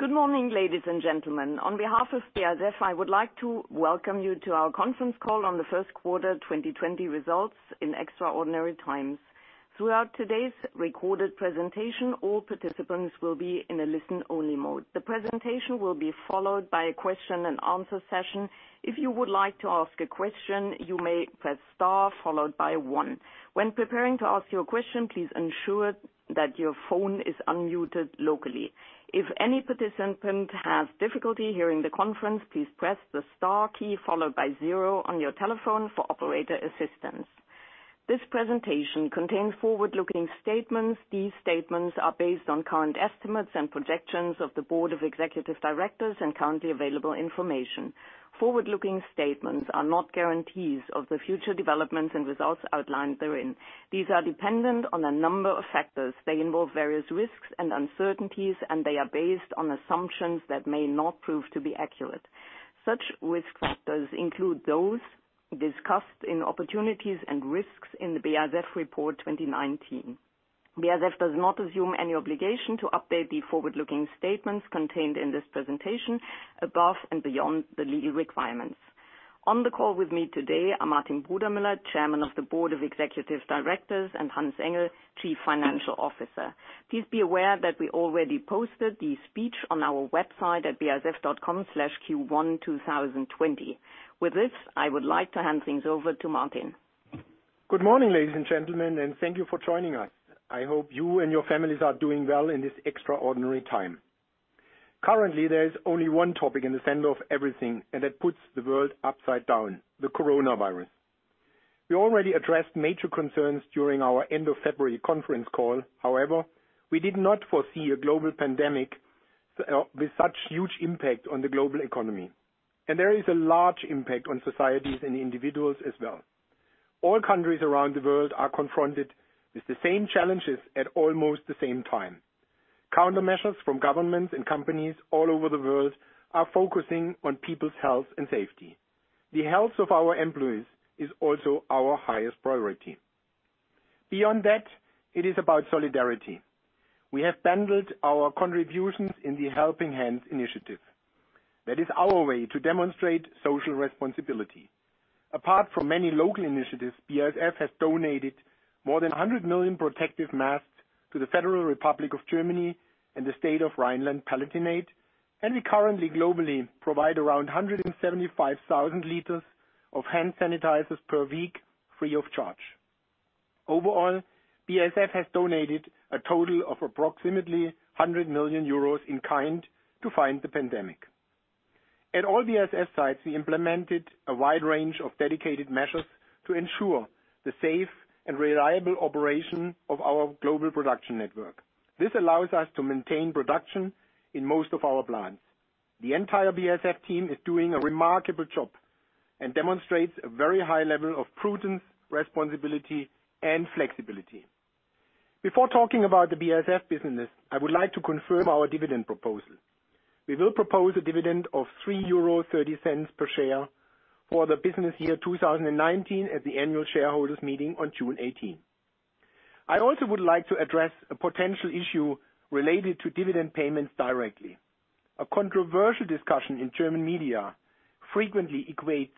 Good morning, ladies and gentlemen. On behalf of BASF, I would like to welcome you to our conference call on the first quarter 2020 results in extraordinary times. Throughout today's recorded presentation, all participants will be in a listen-only mode. The presentation will be followed by a question and answer session. If you would like to ask a question, you may press star followed by one. When preparing to ask your question, please ensure that your phone is unmuted locally. If any participant has difficulty hearing the conference, please press the star key followed by zero on your telephone for operator assistance. This presentation contains forward-looking statements. These statements are based on current estimates and projections of the Board of Executive Directors and currently available information. Forward-looking statements are not guarantees of the future developments and results outlined therein. These are dependent on a number of factors. They involve various risks and uncertainties, and they are based on assumptions that may not prove to be accurate. Such risk factors include those discussed in opportunities and risks in the BASF report 2019. BASF does not assume any obligation to update the forward-looking statements contained in this presentation above and beyond the legal requirements. On the call with me today are Martin Brudermüller, Chairman of the Board of Executive Directors, and Hans-Ulrich Engel, Chief Financial Officer. Please be aware that we already posted the speech on our website at basf.com/q12020. With this, I would like to hand things over to Martin. Good morning, ladies and gentlemen, and thank you for joining us. I hope you and your families are doing well in this extraordinary time. Currently, there is only one topic in the center of everything, and that puts the world upside down, the coronavirus. We already addressed major concerns during our end of February conference call. However, we did not foresee a global pandemic with such huge impact on the global economy. There is a large impact on societies and individuals as well. All countries around the world are confronted with the same challenges at almost the same time. Countermeasures from governments and companies all over the world are focusing on people's health and safety. The health of our employees is also our highest priority. Beyond that, it is about solidarity. We have bundled our contributions in the Helping Hands initiative. That is our way to demonstrate social responsibility. Apart from many local initiatives, BASF has donated more than 100 million protective masks to the Federal Republic of Germany and the state of Rhineland-Palatinate, and we currently globally provide around 175,000 liters of hand sanitizers per week free of charge. Overall, BASF has donated a total of approximately 100 million euros in kind to fight the pandemic. At all BASF sites, we implemented a wide range of dedicated measures to ensure the safe and reliable operation of our global production network. This allows us to maintain production in most of our plants. The entire BASF team is doing a remarkable job and demonstrates a very high level of prudence, responsibility, and flexibility. Before talking about the BASF business, I would like to confirm our dividend proposal. We will propose a dividend of 3.30 euro per share for the business year 2019 at the annual shareholders meeting on June 18th. I also would like to address a potential issue related to dividend payments directly. A controversial discussion in German media frequently equates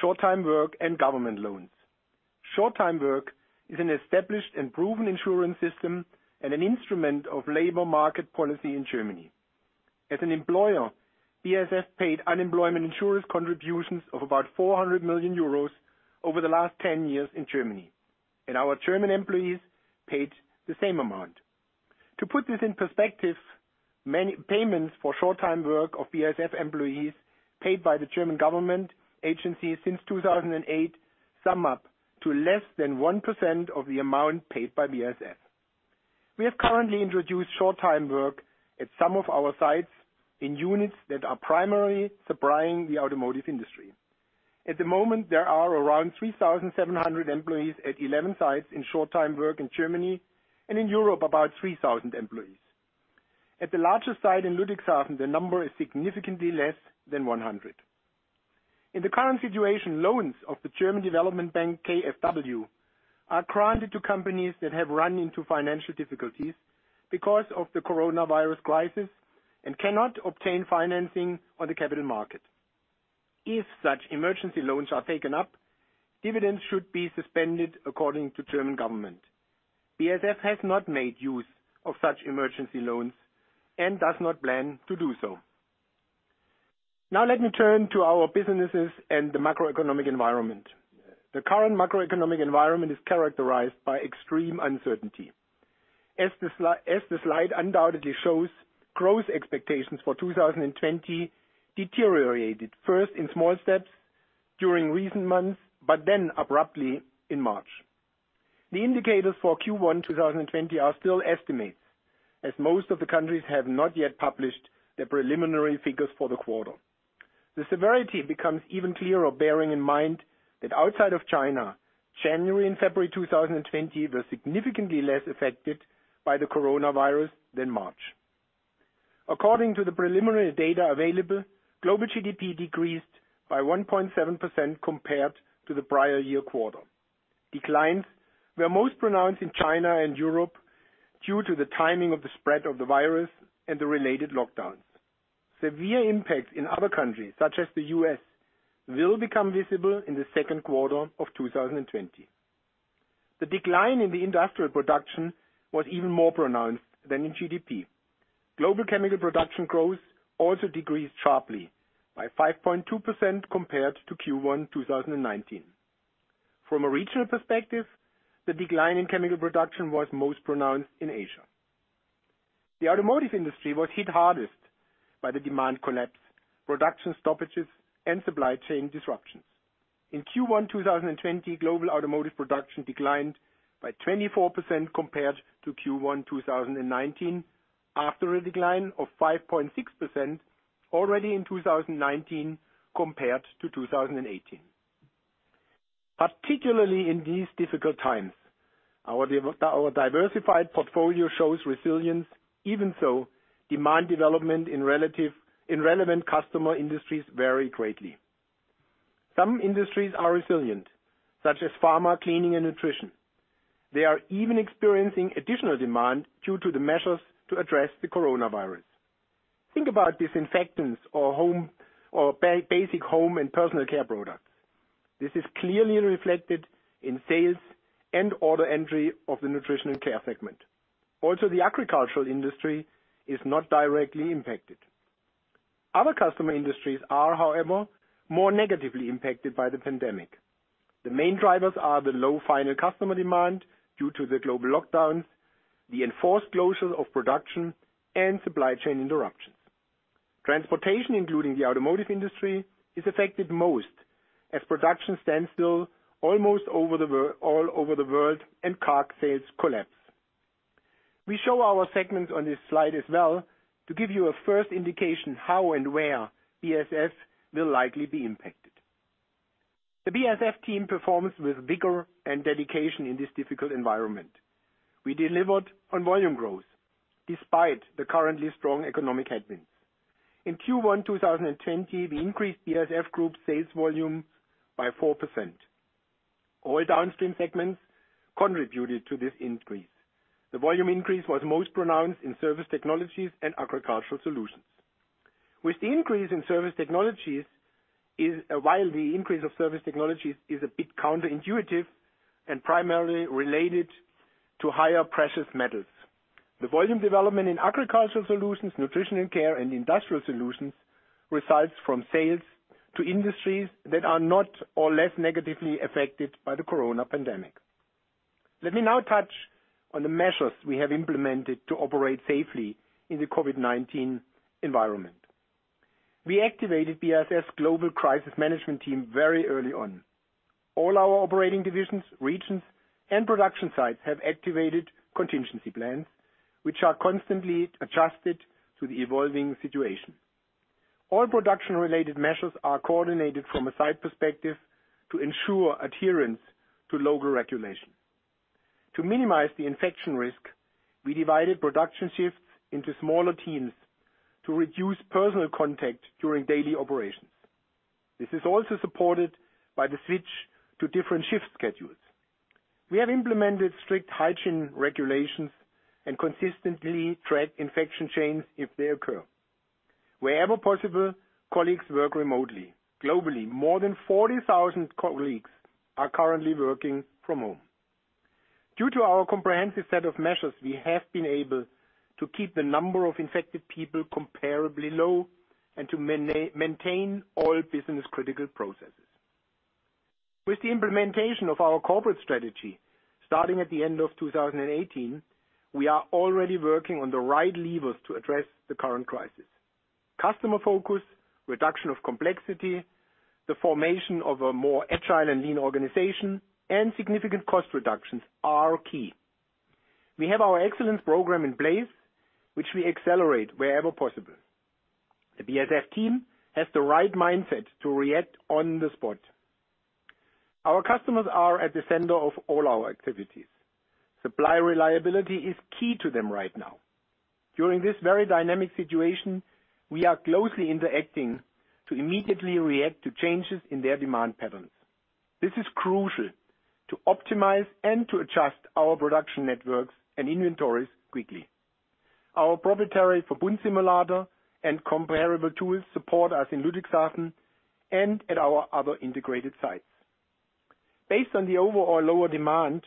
short-time work and government loans. Short-time work is an established and proven insurance system and an instrument of labor market policy in Germany. As an employer, BASF paid unemployment insurance contributions of about 400 million euros over the last 10 years in Germany. Our German employees paid the same amount. To put this in perspective, payments for short-time work of BASF employees paid by the German government agencies since 2008 sum up to less than 1% of the amount paid by BASF. We have currently introduced short-time work at some of our sites in units that are primarily supplying the automotive industry. At the moment, there are around 3,700 employees at 11 sites in short-time work in Germany, and in Europe, about 3,000 employees. At the largest site in Ludwigshafen, the number is significantly less than 100. In the current situation, loans of the German Development Bank, KfW, are granted to companies that have run into financial difficulties because of the coronavirus crisis and cannot obtain financing on the capital market. If such emergency loans are taken up, dividends should be suspended according to German government. BASF has not made use of such emergency loans and does not plan to do so. Now let me turn to our businesses and the macroeconomic environment. The current macroeconomic environment is characterized by extreme uncertainty. As the slide undoubtedly shows, growth expectations for 2020 deteriorated first in small steps during recent months, but then abruptly in March. The indicators for Q1 2020 are still estimates, as most of the countries have not yet published the preliminary figures for the quarter. The severity becomes even clearer, bearing in mind that outside of China, January and February 2020 were significantly less affected by the coronavirus than March. According to the preliminary data available, global GDP decreased by 1.7% compared to the prior year quarter. Declines were most pronounced in China and Europe due to the timing of the spread of the virus and the related lockdowns. Severe impacts in other countries, such as the U.S., will become visible in the second quarter of 2020. The decline in the industrial production was even more pronounced than in GDP. Global chemical production growth also decreased sharply by 5.2% compared to Q1 2019. From a regional perspective, the decline in chemical production was most pronounced in Asia. The automotive industry was hit hardest by the demand collapse, production stoppages, and supply chain disruptions. In Q1 2020, global automotive production declined by 24% compared to Q1 2019, after a decline of 5.6% already in 2019 compared to 2018. Particularly in these difficult times, our diversified portfolio shows resilience, even so, demand development in relevant customer industries vary greatly. Some industries are resilient, such as pharma, cleaning, and nutrition. They are even experiencing additional demand due to the measures to address the coronavirus. Think about disinfectants or basic home and personal care products. This is clearly reflected in sales and order entry of the Nutrition & Care segment. Also, the agricultural industry is not directly impacted. Other customer industries are, however, more negatively impacted by the pandemic. The main drivers are the low final customer demand due to the global lockdowns, the enforced closure of production, and supply chain interruptions. Transportation, including the automotive industry, is affected most as production stands still almost all over the world and car sales collapse. We show our segments on this slide as well to give you a first indication how and where BASF will likely be impacted. The BASF team performs with vigor and dedication in this difficult environment. We delivered on volume growth despite the currently strong economic headwinds. In Q1 2020, we increased BASF Group sales volume by 4%. All downstream segments contributed to this increase. The volume increase was most pronounced in surface technologies and Agricultural Solutions. While the increase of surface technologies is a bit counterintuitive and primarily related to higher precious metals. The volume development in Agricultural Solutions, Nutrition & Care, and industrial solutions results from sales to industries that are not or less negatively affected by the corona pandemic. Let me now touch on the measures we have implemented to operate safely in the COVID-19 environment. We activated BASF's Global Crisis Management team very early on. All our operating divisions, regions, and production sites have activated contingency plans, which are constantly adjusted to the evolving situation. All production-related measures are coordinated from a site perspective to ensure adherence to local regulation. To minimize the infection risk, we divided production shifts into smaller teams to reduce personal contact during daily operations. This is also supported by the switch to different shift schedules. We have implemented strict hygiene regulations and consistently track infection chains if they occur. Wherever possible, colleagues work remotely. Globally, more than 40,000 colleagues are currently working from home. Due to our comprehensive set of measures, we have been able to keep the number of infected people comparably low and to maintain all business-critical processes. With the implementation of our corporate strategy, starting at the end of 2018, we are already working on the right levers to address the current crisis. Customer focus, reduction of complexity, the formation of a more agile and lean organization, and significant cost reductions are key. We have our excellence program in place, which we accelerate wherever possible. The BASF team has the right mindset to react on the spot. Our customers are at the center of all our activities. Supply reliability is key to them right now. During this very dynamic situation, we are closely interacting to immediately react to changes in their demand patterns. This is crucial to optimize and to adjust our production networks and inventories quickly. Our proprietary Verbund simulator and comparable tools support us in Ludwigshafen and at our other integrated sites. Based on the overall lower demand,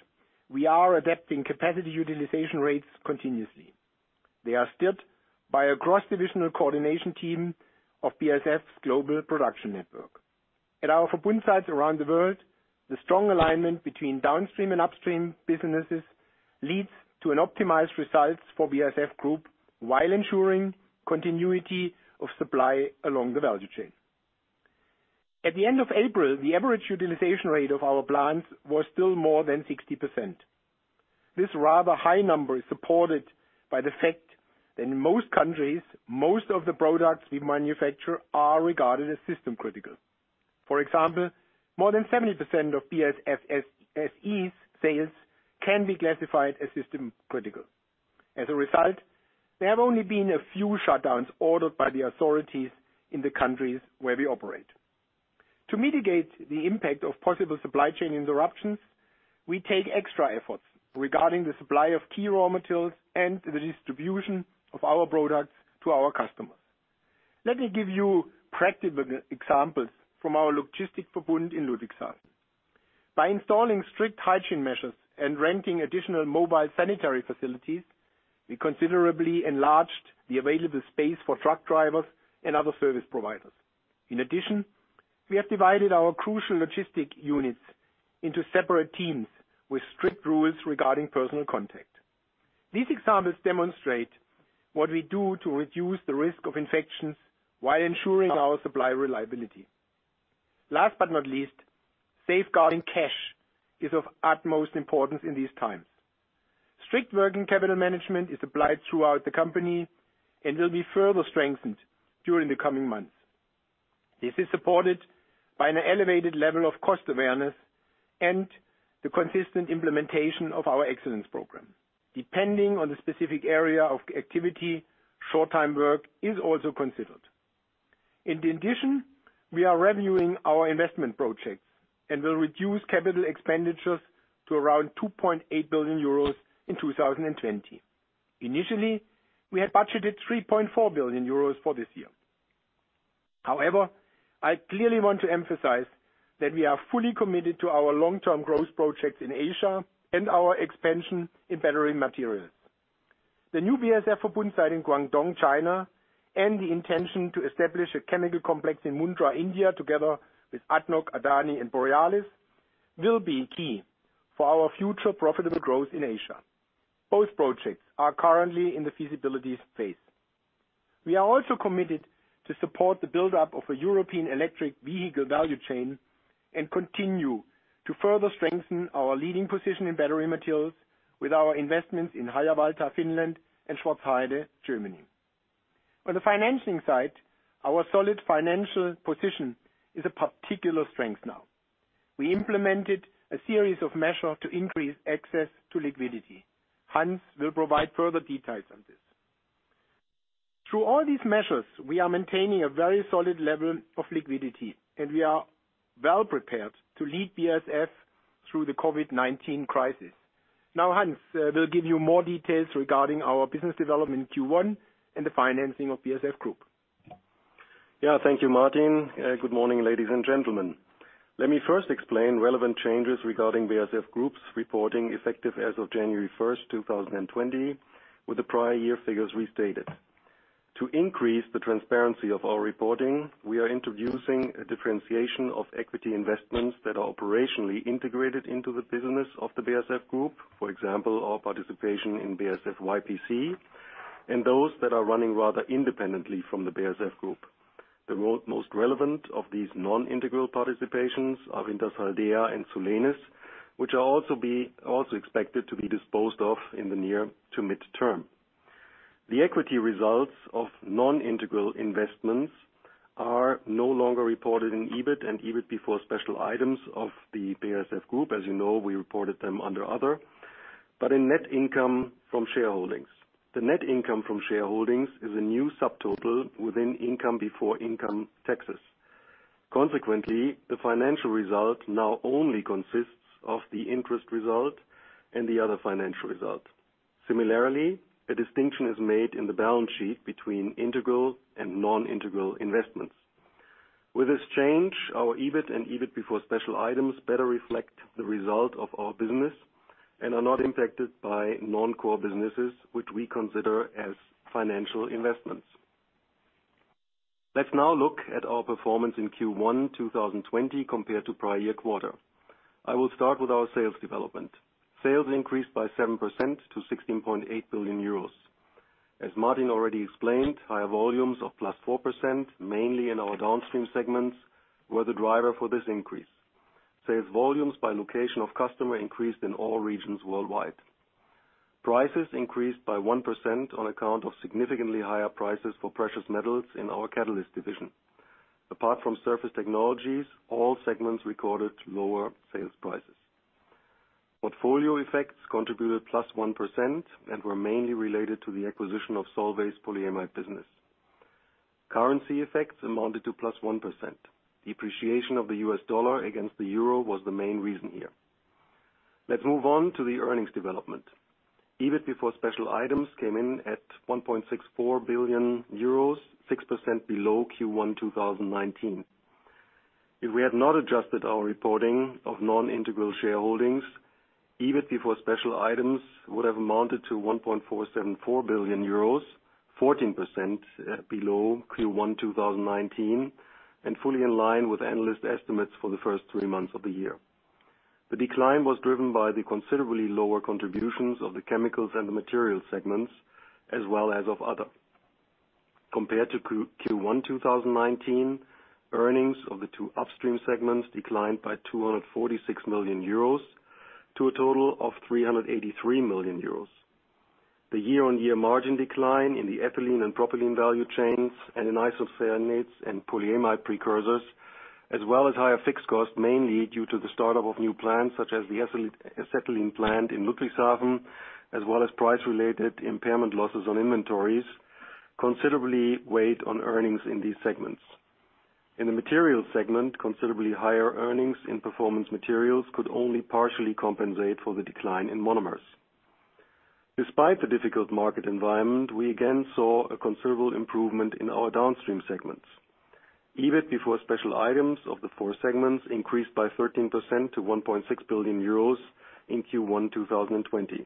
we are adapting capacity utilization rates continuously. They are steered by a cross-divisional coordination team of BASF's global production network. At our Verbund sites around the world, the strong alignment between downstream and upstream businesses leads to an optimized results for BASF Group while ensuring continuity of supply along the value chain. At the end of April, the average utilization rate of our plants was still more than 60%. This rather high number is supported by the fact that in most countries, most of the products we manufacture are regarded as system critical. For example, more than 70% of BASF SE's sales can be classified as system critical. As a result, there have only been a few shutdowns ordered by the authorities in the countries where we operate. To mitigate the impact of possible supply chain interruptions, we take extra efforts regarding the supply of key raw materials and the distribution of our products to our customers. Let me give you practical examples from our logistic Verbund in Ludwigshafen. By installing strict hygiene measures and renting additional mobile sanitary facilities, we considerably enlarged the available space for truck drivers and other service providers. In addition, we have divided our crucial logistic units into separate teams with strict rules regarding personal contact. These examples demonstrate what we do to reduce the risk of infections while ensuring our supply reliability. Last but not least, safeguarding cash is of utmost importance in these times. Strict working capital management is applied throughout the company and will be further strengthened during the coming months. This is supported by an elevated level of cost awareness and the consistent implementation of our excellence program. Depending on the specific area of activity, short time work is also considered. In addition, we are reviewing our investment projects and will reduce CapEx to around 2.8 billion euros in 2020. Initially, we had budgeted 3.4 billion euros for this year. I clearly want to emphasize that we are fully committed to our long-term growth projects in Asia and our expansion in battery materials. The new BASF Verbund site in Guangdong, China, and the intention to establish a chemical complex in Mundra, India, together with ADNOC, Adani, and Borealis, will be key for our future profitable growth in Asia. Both projects are currently in the feasibility phase. We are also committed to support the buildup of a European electric vehicle value chain and continue to further strengthen our leading position in battery materials with our investments in Harjavalta, Finland, and Schwarzheide, Germany. On the financing side, our solid financial position is a particular strength now. We implemented a series of measures to increase access to liquidity. Hans will provide further details on this. Through all these measures, we are maintaining a very solid level of liquidity, and we are well prepared to lead BASF through the COVID-19 crisis. Now, Hans will give you more details regarding our business development in Q1 and the financing of BASF Group. Thank you, Martin. Good morning, ladies and gentlemen. Let me first explain relevant changes regarding BASF Group's reporting effective as of January 1st, 2020, with the prior year figures restated. To increase the transparency of our reporting, we are introducing a differentiation of equity investments that are operationally integrated into the business of the BASF Group. For example, our participation in BASF YPC, and those that are running rather independently from the BASF Group. The most relevant of these non-integral participations are Wintershall Dea and Solenis, which are also expected to be disposed of in the near to midterm. The equity results of non-integral investments are no longer reported in EBIT and EBIT before special items of the BASF Group. As you know, we reported them under other, but in net income from shareholdings. The net income from shareholdings is a new subtotal within income before income taxes. Consequently, the financial result now only consists of the interest result and the other financial result. Similarly, a distinction is made in the balance sheet between integral and non-integral investments. With this change, our EBIT and EBIT before special items better reflect the result of our business and are not impacted by non-core businesses, which we consider as financial investments. Let's now look at our performance in Q1 2020 compared to prior year quarter. I will start with our sales development. Sales increased by 7% to 16.8 billion euros. As Martin already explained, higher volumes of +4%, mainly in our downstream segments, were the driver for this increase. Sales volumes by location of customer increased in all regions worldwide. Prices increased by 1% on account of significantly higher prices for precious metals in our catalyst division. Apart from surface technologies, all segments recorded lower sales prices. Portfolio effects contributed +1% and were mainly related to the acquisition of Solvay's polyamide business. Currency effects amounted to +1%. Depreciation of the U.S. dollar against the euro was the main reason here. Let's move on to the earnings development. EBIT before special items came in at 1.64 billion euros, 6% below Q1 2019. If we had not adjusted our reporting of non-integral shareholdings, EBIT before special items would have amounted to 1.474 billion euros, 14% below Q1 2019, and fully in line with analyst estimates for the first three months of the year. The decline was driven by the considerably lower contributions of the chemicals and the material segments, as well as of other. Compared to Q1 2019, earnings of the two upstream segments declined by 246 million euros to a total of 383 million euros. The year-on-year margin decline in the ethylene and propylene value chains and in isocyanates and polyamide precursors, as well as higher fixed costs, mainly due to the start-up of new plants such as the acetylene plant in Ludwigshafen, as well as price-related impairment losses on inventories, considerably weighed on earnings in these segments. In the materials segment, considerably higher earnings in performance materials could only partially compensate for the decline in monomers. Despite the difficult market environment, we again saw a considerable improvement in our downstream segments. EBIT before special items of the four segments increased by 13% to 1.6 billion euros in Q1 2020.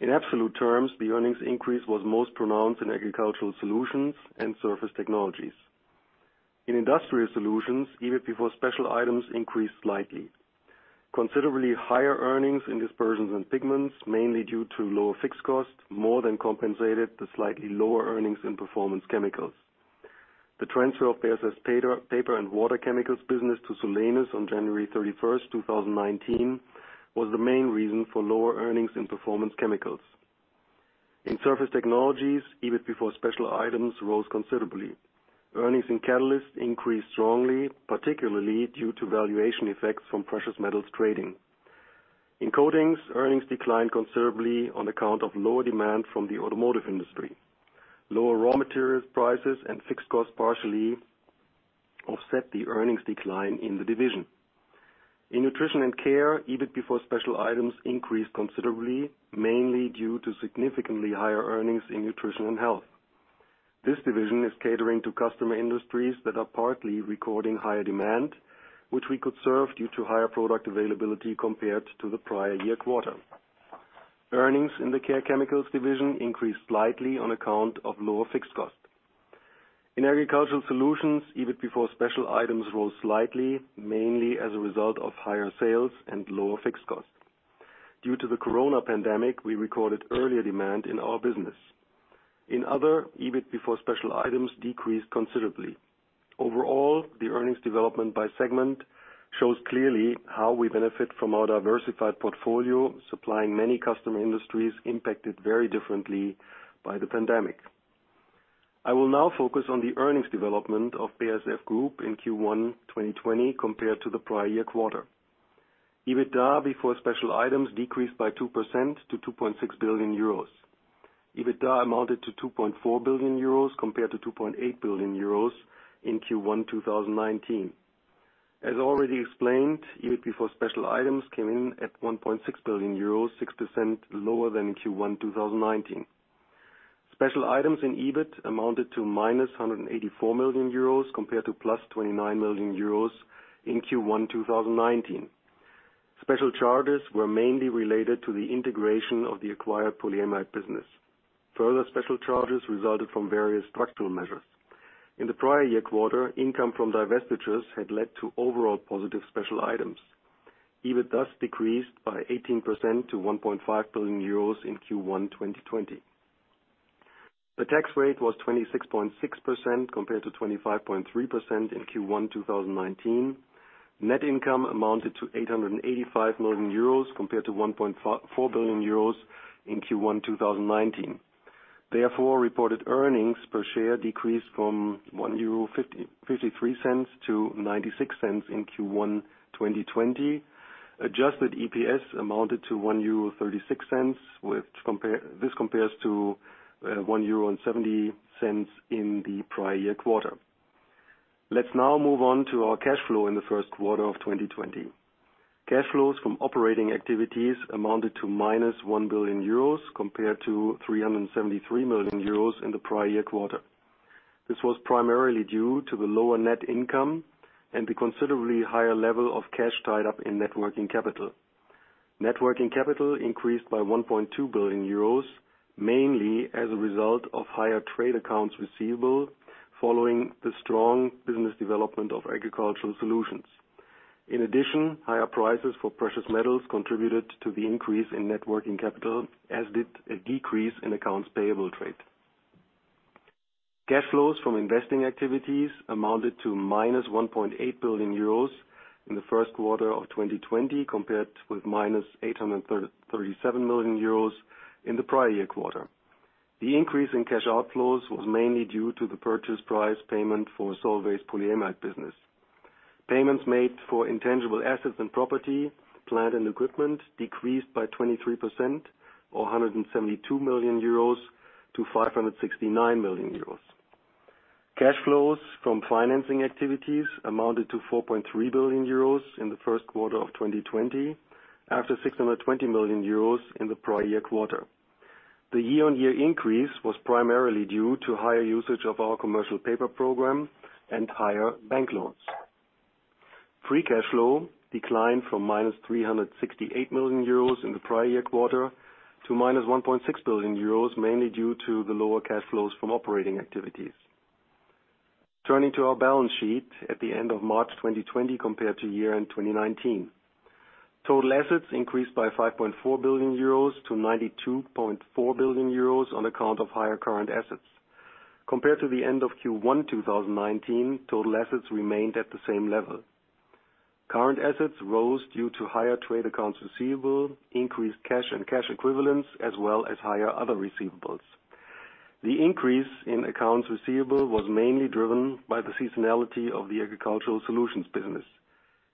In absolute terms, the earnings increase was most pronounced in Agricultural Solutions and surface technologies. In industrial solutions, EBIT before special items increased slightly. Considerably higher earnings in dispersions and pigments, mainly due to lower fixed costs, more than compensated the slightly lower earnings in performance chemicals. The transfer of BASF paper and water chemicals business to Solenis on January 31st, 2019, was the main reason for lower earnings in performance chemicals. In surface technologies, EBIT before special items rose considerably. Earnings in catalysts increased strongly, particularly due to valuation effects from precious metals trading. In coatings, earnings declined considerably on account of lower demand from the automotive industry. Lower raw material prices and fixed costs partially offset the earnings decline in the division. In Nutrition & Care, EBIT before special items increased considerably, mainly due to significantly higher earnings in Nutrition & Health. This division is catering to customer industries that are partly recording higher demand, which we could serve due to higher product availability compared to the prior year quarter. Earnings in the Care Chemicals division increased slightly on account of lower fixed costs. In Agricultural Solutions, EBIT before special items rose slightly, mainly as a result of higher sales and lower fixed costs. Due to the corona pandemic, we recorded earlier demand in our business. In other, EBIT before special items decreased considerably. Overall, the earnings development by segment shows clearly how we benefit from our diversified portfolio, supplying many customer industries impacted very differently by the pandemic. I will now focus on the earnings development of BASF Group in Q1 2020 compared to the prior year quarter. EBITDA before special items decreased by 2% to 2.6 billion euros. EBITDA amounted to 2.4 billion euros compared to 2.8 billion euros in Q1 2019. As already explained, EBIT before special items came in at 1.6 billion euros, 6% lower than in Q1 2019. Special items in EBIT amounted to -184 million euros compared to +29 million euros in Q1 2019. Special charges were mainly related to the integration of the acquired polyamide business. Further special charges resulted from various structural measures. In the prior year quarter, income from divestitures had led to overall positive special items. EBIT decreased by 18% to 1.5 billion euros in Q1 2020. The tax rate was 26.6% compared to 25.3% in Q1 2019. Net income amounted to 885 million euros compared to 1.4 billion euros in Q1 2019. Reported earnings per share decreased from 1.53 euro to 0.96 in Q1 2020. Adjusted EPS amounted to 1.36 euro. This compares to 1.70 euro in the prior year quarter. Let's now move on to our cash flow in the first quarter of 2020. Cash flows from operating activities amounted to -1 billion euros compared to 373 million euros in the prior year quarter. This was primarily due to the lower net income and the considerably higher level of cash tied up in net working capital. Net working capital increased by 1.2 billion euros, mainly as a result of higher trade accounts receivable following the strong business development of Agricultural Solutions. In addition, higher prices for precious metals contributed to the increase in net working capital, as did a decrease in accounts payable trade. Cash flows from investing activities amounted to -1.8 billion euros in the first quarter of 2020, compared with -837 million euros in the prior year quarter. The increase in cash outflows was mainly due to the purchase price payment for Solvay's polyamide business. Payments made for intangible assets and property, plant, and equipment decreased by 23%, or 172 million euros to 569 million euros. Cash flows from financing activities amounted to 4.3 billion euros in the first quarter of 2020, after 620 million euros in the prior year quarter. The year-on-year increase was primarily due to higher usage of our commercial paper program and higher bank loans. Free cash flow declined from -368 million euros in the prior year quarter to -1.6 billion euros, mainly due to the lower cash flows from operating activities. Turning to our balance sheet at the end of March 2020 compared to year-end 2019. Total assets increased by 5.4 billion euros to 92.4 billion euros on account of higher current assets. Compared to the end of Q1 2019, total assets remained at the same level. Current assets rose due to higher trade accounts receivable, increased cash and cash equivalents, as well as higher other receivables. The increase in accounts receivable was mainly driven by the seasonality of the Agricultural Solutions business.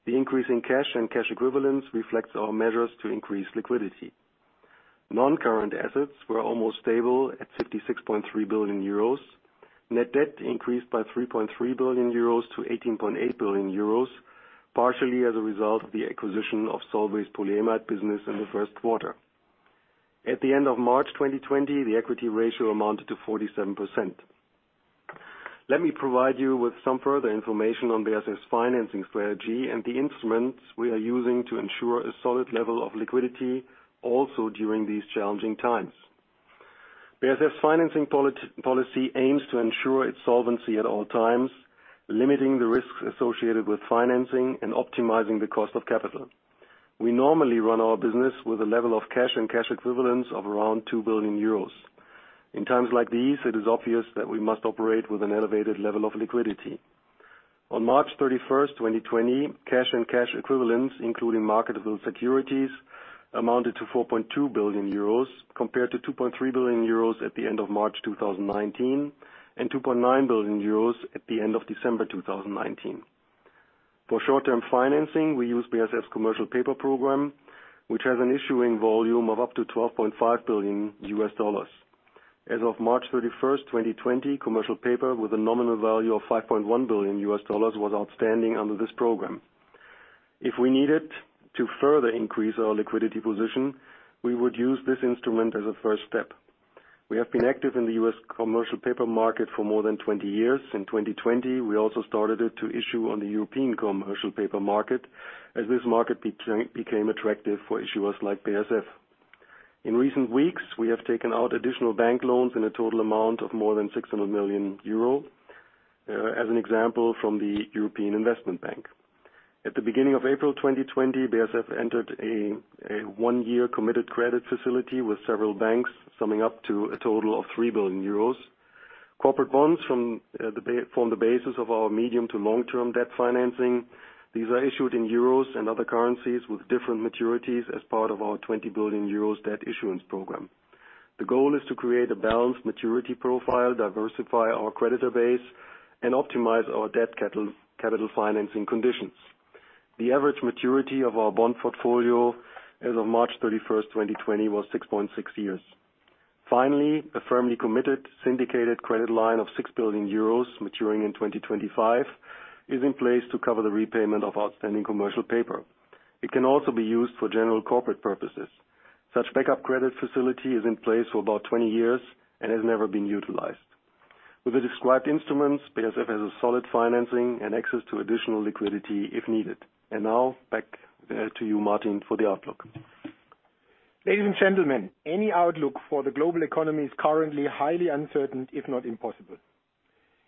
The increase in cash and cash equivalents reflects our measures to increase liquidity. Non-current assets were almost stable at 66.3 billion euros. Net debt increased by 3.3 billion euros to 18.8 billion euros, partially as a result of the acquisition of Solvay's polyamide business in the first quarter. At the end of March 2020, the equity ratio amounted to 47%. Let me provide you with some further information on BASF's financing strategy and the instruments we are using to ensure a solid level of liquidity also during these challenging times. BASF's financing policy aims to ensure its solvency at all times, limiting the risks associated with financing and optimizing the cost of capital. We normally run our business with a level of cash and cash equivalents of around 2 billion euros. In times like these, it is obvious that we must operate with an elevated level of liquidity. On March 31st, 2020, cash and cash equivalents, including marketable securities, amounted to 4.2 billion euros, compared to 2.3 billion euros at the end of March 2019, and 2.9 billion euros at the end of December 2019. For short-term financing, we use BASF's commercial paper program, which has an issuing volume of up to $12.5 billion. As of March 31st, 2020, commercial paper with a nominal value of $5.1 billion was outstanding under this program. If we needed to further increase our liquidity position, we would use this instrument as a first step. We have been active in the U.S. commercial paper market for more than 20 years. In 2020, we also started to issue on the European commercial paper market as this market became attractive for issuers like BASF. In recent weeks, we have taken out additional bank loans in a total amount of more than 600 million euro, as an example, from the European Investment Bank. At the beginning of April 2020, BASF entered a one-year committed credit facility with several banks, summing up to a total of 3 billion euros. Corporate bonds form the basis of our medium to long-term debt financing. These are issued in euros and other currencies with different maturities as part of our 20 billion euros debt issuance program. The goal is to create a balanced maturity profile, diversify our creditor base, and optimize our debt capital financing conditions. The average maturity of our bond portfolio as of March 31st, 2020, was 6.6 years. Finally, a firmly committed syndicated credit line of 6 billion euros maturing in 2025 is in place to cover the repayment of outstanding commercial paper. It can also be used for general corporate purposes. Such backup credit facility is in place for about 20 years and has never been utilized. With the described instruments, BASF has a solid financing and access to additional liquidity if needed. Now back to you, Martin, for the outlook. Ladies and gentlemen, any outlook for the global economy is currently highly uncertain, if not impossible.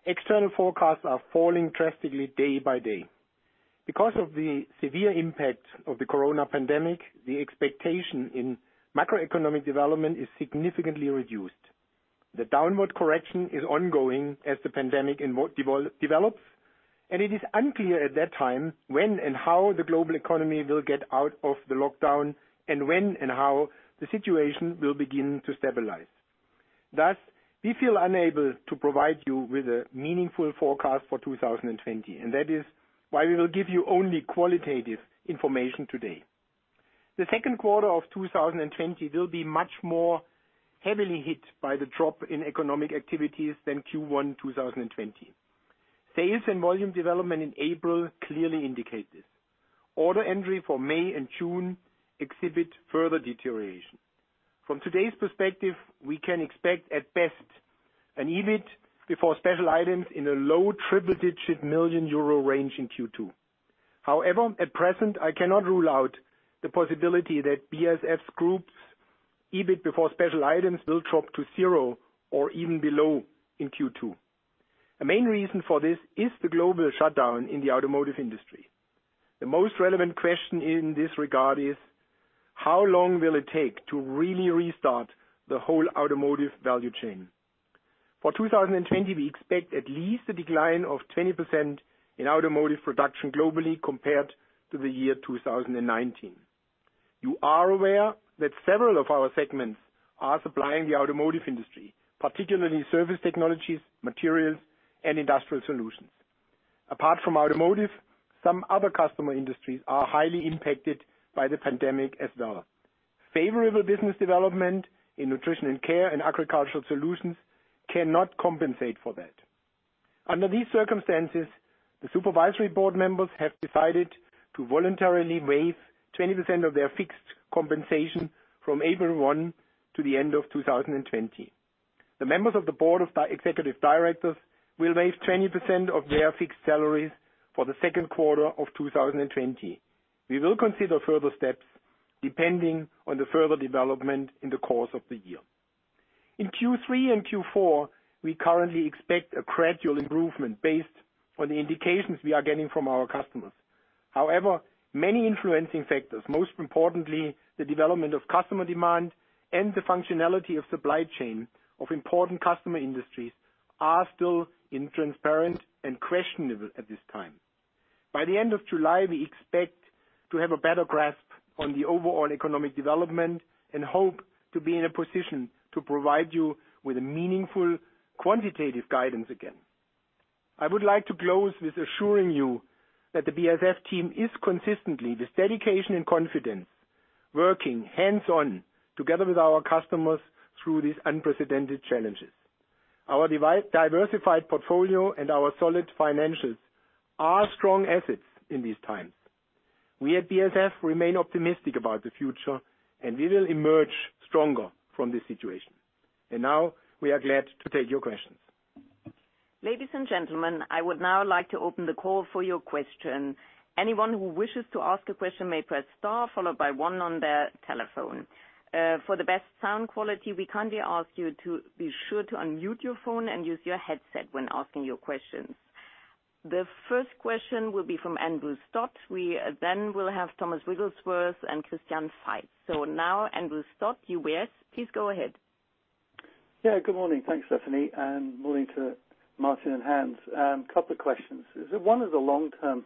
External forecasts are falling drastically day by day. Because of the severe impact of the Corona pandemic, the expectation in macroeconomic development is significantly reduced. The downward correction is ongoing as the pandemic develops, and it is unclear at that time when and how the global economy will get out of the lockdown and when and how the situation will begin to stabilize. Thus, we feel unable to provide you with a meaningful forecast for 2020, and that is why we will give you only qualitative information today. The second quarter of 2020 will be much more heavily hit by the drop in economic activities than Q1 2020. Sales and volume development in April clearly indicate this. Order entry for May and June exhibit further deterioration. From today's perspective, we can expect at best an EBIT before special items in a low triple digit million EUR range in Q2. At present, I cannot rule out the possibility that BASF Group's EBIT before special items will drop to zero or even below in Q2. The main reason for this is the global shutdown in the automotive industry. The most relevant question in this regard is how long will it take to really restart the whole automotive value chain? For 2020, we expect at least a decline of 20% in automotive production globally compared to the year 2019. You are aware that several of our segments are supplying the automotive industry, particularly Surface Technologies, Materials, and Industrial Solutions. Apart from automotive, some other customer industries are highly impacted by the pandemic as well. Favorable business development in Nutrition & Care and Agricultural Solutions cannot compensate for that. Under these circumstances, the supervisory board members have decided to voluntarily waive 20% of their fixed compensation from April 1 to the end of 2020. The members of the board of executive directors will waive 20% of their fixed salaries for the second quarter of 2020. We will consider further steps depending on the further development in the course of the year. In Q3 and Q4, we currently expect a gradual improvement based on the indications we are getting from our customers. Many influencing factors, most importantly, the development of customer demand and the functionality of supply chain of important customer industries are still transparent and questionable at this time. By the end of July, we expect to have a better grasp on the overall economic development and hope to be in a position to provide you with a meaningful quantitative guidance again. I would like to close with assuring you that the BASF team is consistently, with dedication and confidence, working hands-on together with our customers through these unprecedented challenges. Our diversified portfolio and our solid financials are strong assets in these times. We at BASF remain optimistic about the future, and we will emerge stronger from this situation. Now, we are glad to take your questions. Ladies and gentlemen, I would now like to open the call for your question. Anyone who wishes to ask a question may press star, followed by one on their telephone. For the best sound quality, we kindly ask you to be sure to unmute your phone and use your headset when asking your questions. The first question will be from Andrew Stott. We will have Thomas Wrigglesworth and Christian Faitz. Now Andrew Stott, UBS, please go ahead. Yeah, good morning. Thanks, Stefanie, and morning to Martin and Hans. A couple of questions. One is a long-term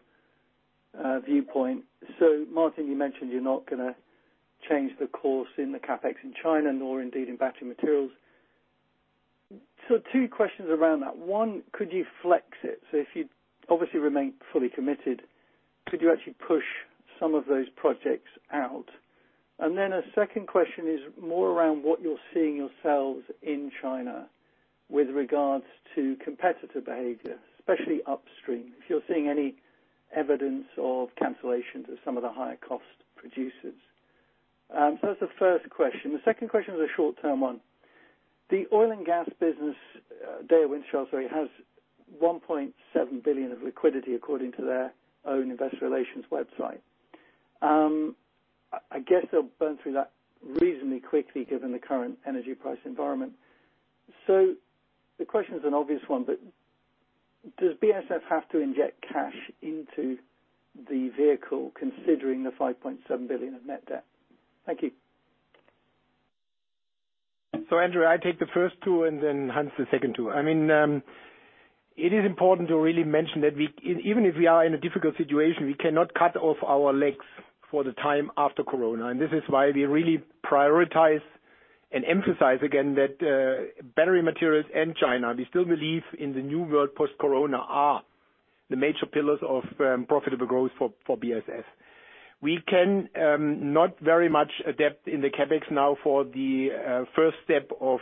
viewpoint. Martin, you mentioned you're not going to change the course in the CapEx in China, nor indeed in battery materials. Two questions around that. One, could you flex it? If you obviously remain fully committed, could you actually push some of those projects out? A second question is more around what you're seeing yourselves in China with regards to competitor behavior, especially upstream. If you're seeing any evidence of cancellations of some of the higher cost producers. That's the first question. The second question is a short-term one. The oil and gas business, Wintershall, sorry, has 1.7 billion of liquidity according to their own investor relations website. I guess they'll burn through that reasonably quickly given the current energy price environment. The question is an obvious one, but does BASF have to inject cash into the vehicle considering the 5.7 billion of net debt? Thank you. Andrew, I take the first two and then Hans the second two. It is important to really mention that even if we are in a difficult situation, we cannot cut off our legs for the time after Corona, and this is why we really prioritize and emphasize again that, battery materials and China, we still believe in the new world post-Corona, are the major pillars of profitable growth for BASF. We cannot very much adapt in the CapEx now for the first step of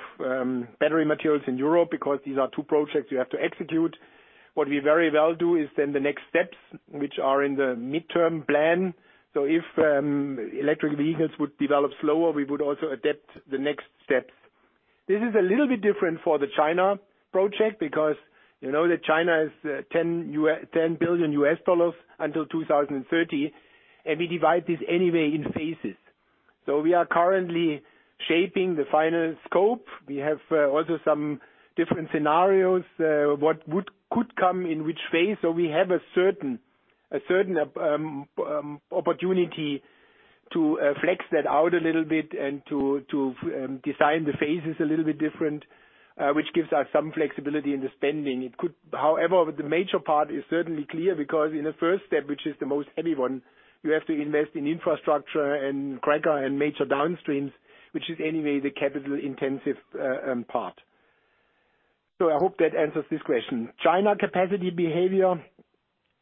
battery materials in Europe, because these are two projects we have to execute. What we very well do is then the next steps, which are in the midterm plan. If electric vehicles would develop slower, we would also adapt the next steps. This is a little bit different for the China project because you know that China is $10 billion until 2030, and we divide this anyway in phases. We are currently shaping the final scope. We have also some different scenarios, what could come in which phase. We have a certain opportunity to flex that out a little bit and to design the phases a little bit different, which gives us some flexibility in the spending. However, the major part is certainly clear because in the first step, which is the most heavy one, you have to invest in infrastructure and cracker and major downstreams, which is anyway the capital-intensive part. I hope that answers this question. China capacity behavior,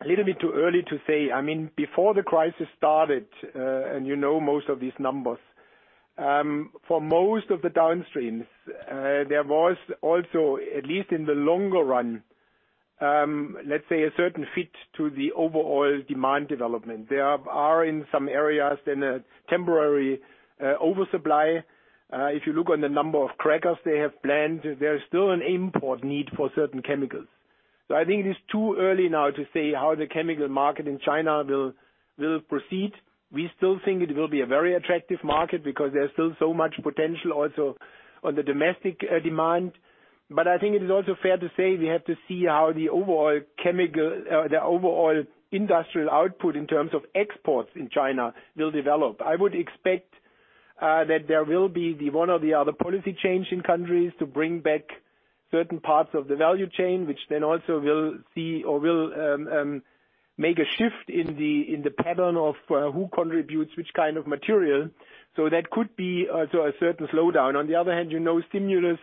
a little bit too early to say. Before the crisis started, and you know most of these numbers, for most of the downstreams, there was also, at least in the longer run, let's say a certain fit to the overall demand development. There are in some areas then a temporary oversupply. If you look on the number of crackers they have planned, there is still an import need for certain chemicals. I think it is too early now to say how the chemical market in China will proceed. We still think it will be a very attractive market because there's still so much potential also on the domestic demand. I think it is also fair to say we have to see how the overall industrial output in terms of exports in China will develop. I would expect that there will be the one or the other policy change in countries to bring back certain parts of the value chain, which also will make a shift in the pattern of who contributes which kind of material. That could be also a certain slowdown. On the other hand, stimulus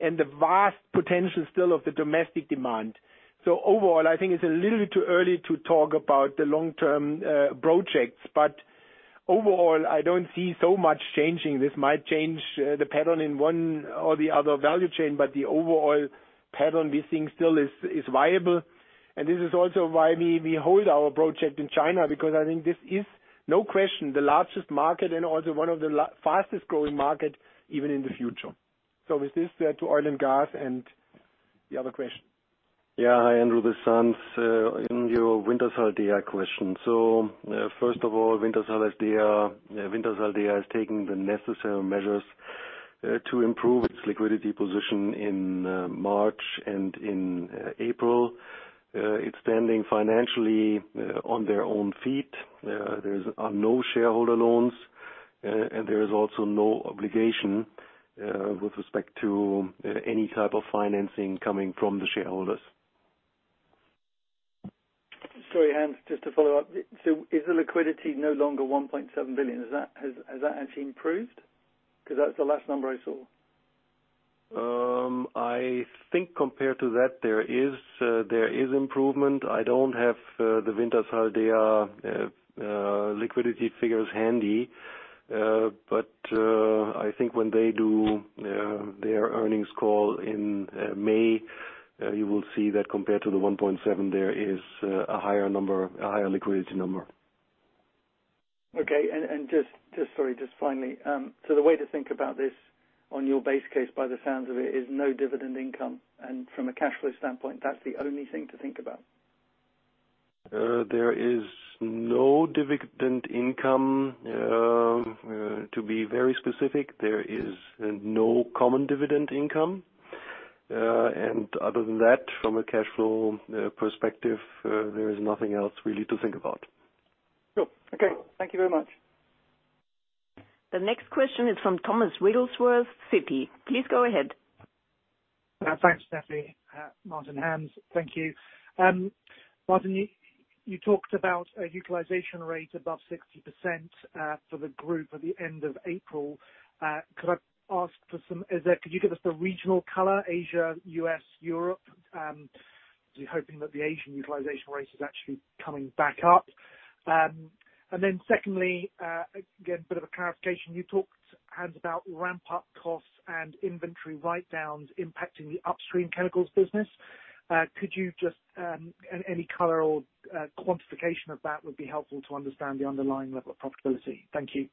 and the vast potential still of the domestic demand. Overall, I think it's a little bit too early to talk about the long-term projects, overall, I don't see so much changing. This might change the pattern in one or the other value chain, the overall pattern we think still is viable. This is also why we hold our project in China, because I think this is, no question, the largest market and also one of the fastest-growing market, even in the future. Is this to oil and gas and the other question? Hi, Andrew. This is Hans. In your Wintershall Dea question. First of all, Wintershall Dea has taken the necessary measures to improve its liquidity position in March and in April. It's standing financially on their own feet. There are no shareholder loans. There is also no obligation with respect to any type of financing coming from the shareholders. Sorry, Hans, just to follow up. Is the liquidity no longer 1.7 billion? Has that actually improved? Because that's the last number I saw. I think compared to that, there is improvement. I don't have the Wintershall Dea liquidity figures handy. I think when they do their earnings call in May, you will see that compared to the 1.7, there is a higher liquidity number. Okay. Just, sorry, just finally. The way to think about this on your base case, by the sounds of it, is no dividend income. From a cash flow standpoint, that’s the only thing to think about. There is no dividend income. To be very specific, there is no common dividend income. Other than that, from a cash flow perspective, there is nothing else really to think about. Cool. Okay. Thank you very much. The next question is from Thomas Wrigglesworth, Citi. Please go ahead. Thanks, Stefanie. Martin, Hans, thank you. Martin, you talked about a utilization rate above 60% for the group at the end of April. Could I ask, could you give us the regional color, Asia, U.S., Europe? I'm actually hoping that the Asian utilization rate is actually coming back up. Secondly, again, a bit of a clarification. You talked, Hans, about ramp-up costs and inventory write-downs impacting the upstream chemicals business. Any color or quantification of that would be helpful to understand the underlying level of profitability. Thank you.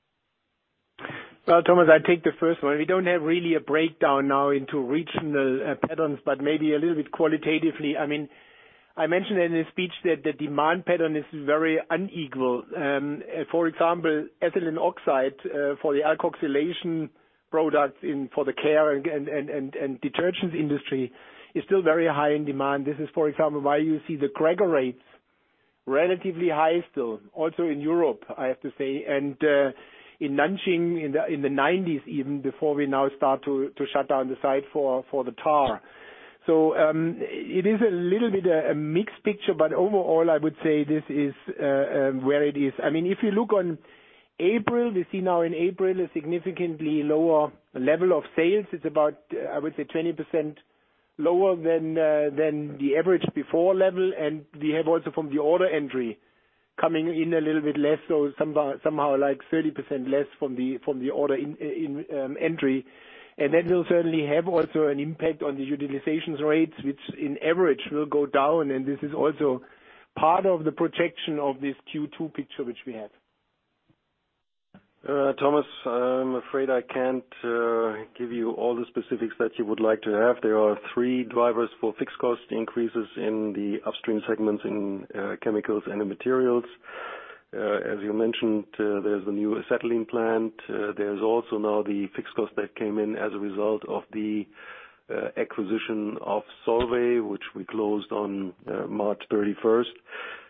Well, Thomas, I'll take the first one. We don't have really a breakdown now into regional patterns, maybe a little bit qualitatively. I mentioned in the speech that the demand pattern is very unequal. For example, ethylene oxide for the alkoxylation products for the care and detergents industry is still very high in demand. This is, for example, why you see the cracker rates relatively high still, also in Europe, I have to say, and in Nanjing, in the 90s even, before we now start to shut down the site for the TAR. It is a little bit a mixed picture, overall, I would say this is where it is. If you look on April, we see now in April a significantly lower level of sales. It's about, I would say, 20% lower than the average before level. We have also from the order entry coming in a little bit less. Somehow like 30% less from the order entry. That will certainly have also an impact on the utilization rates, which in average will go down, and this is also part of the projection of this Q2 picture which we have. Thomas, I'm afraid I can't give you all the specifics that you would like to have. There are three drivers for fixed cost increases in the upstream segments in chemicals and in materials. As you mentioned, there's the new acetylene plant. There's also now the fixed cost that came in as a result of the acquisition of Solvay, which we closed on March 31st,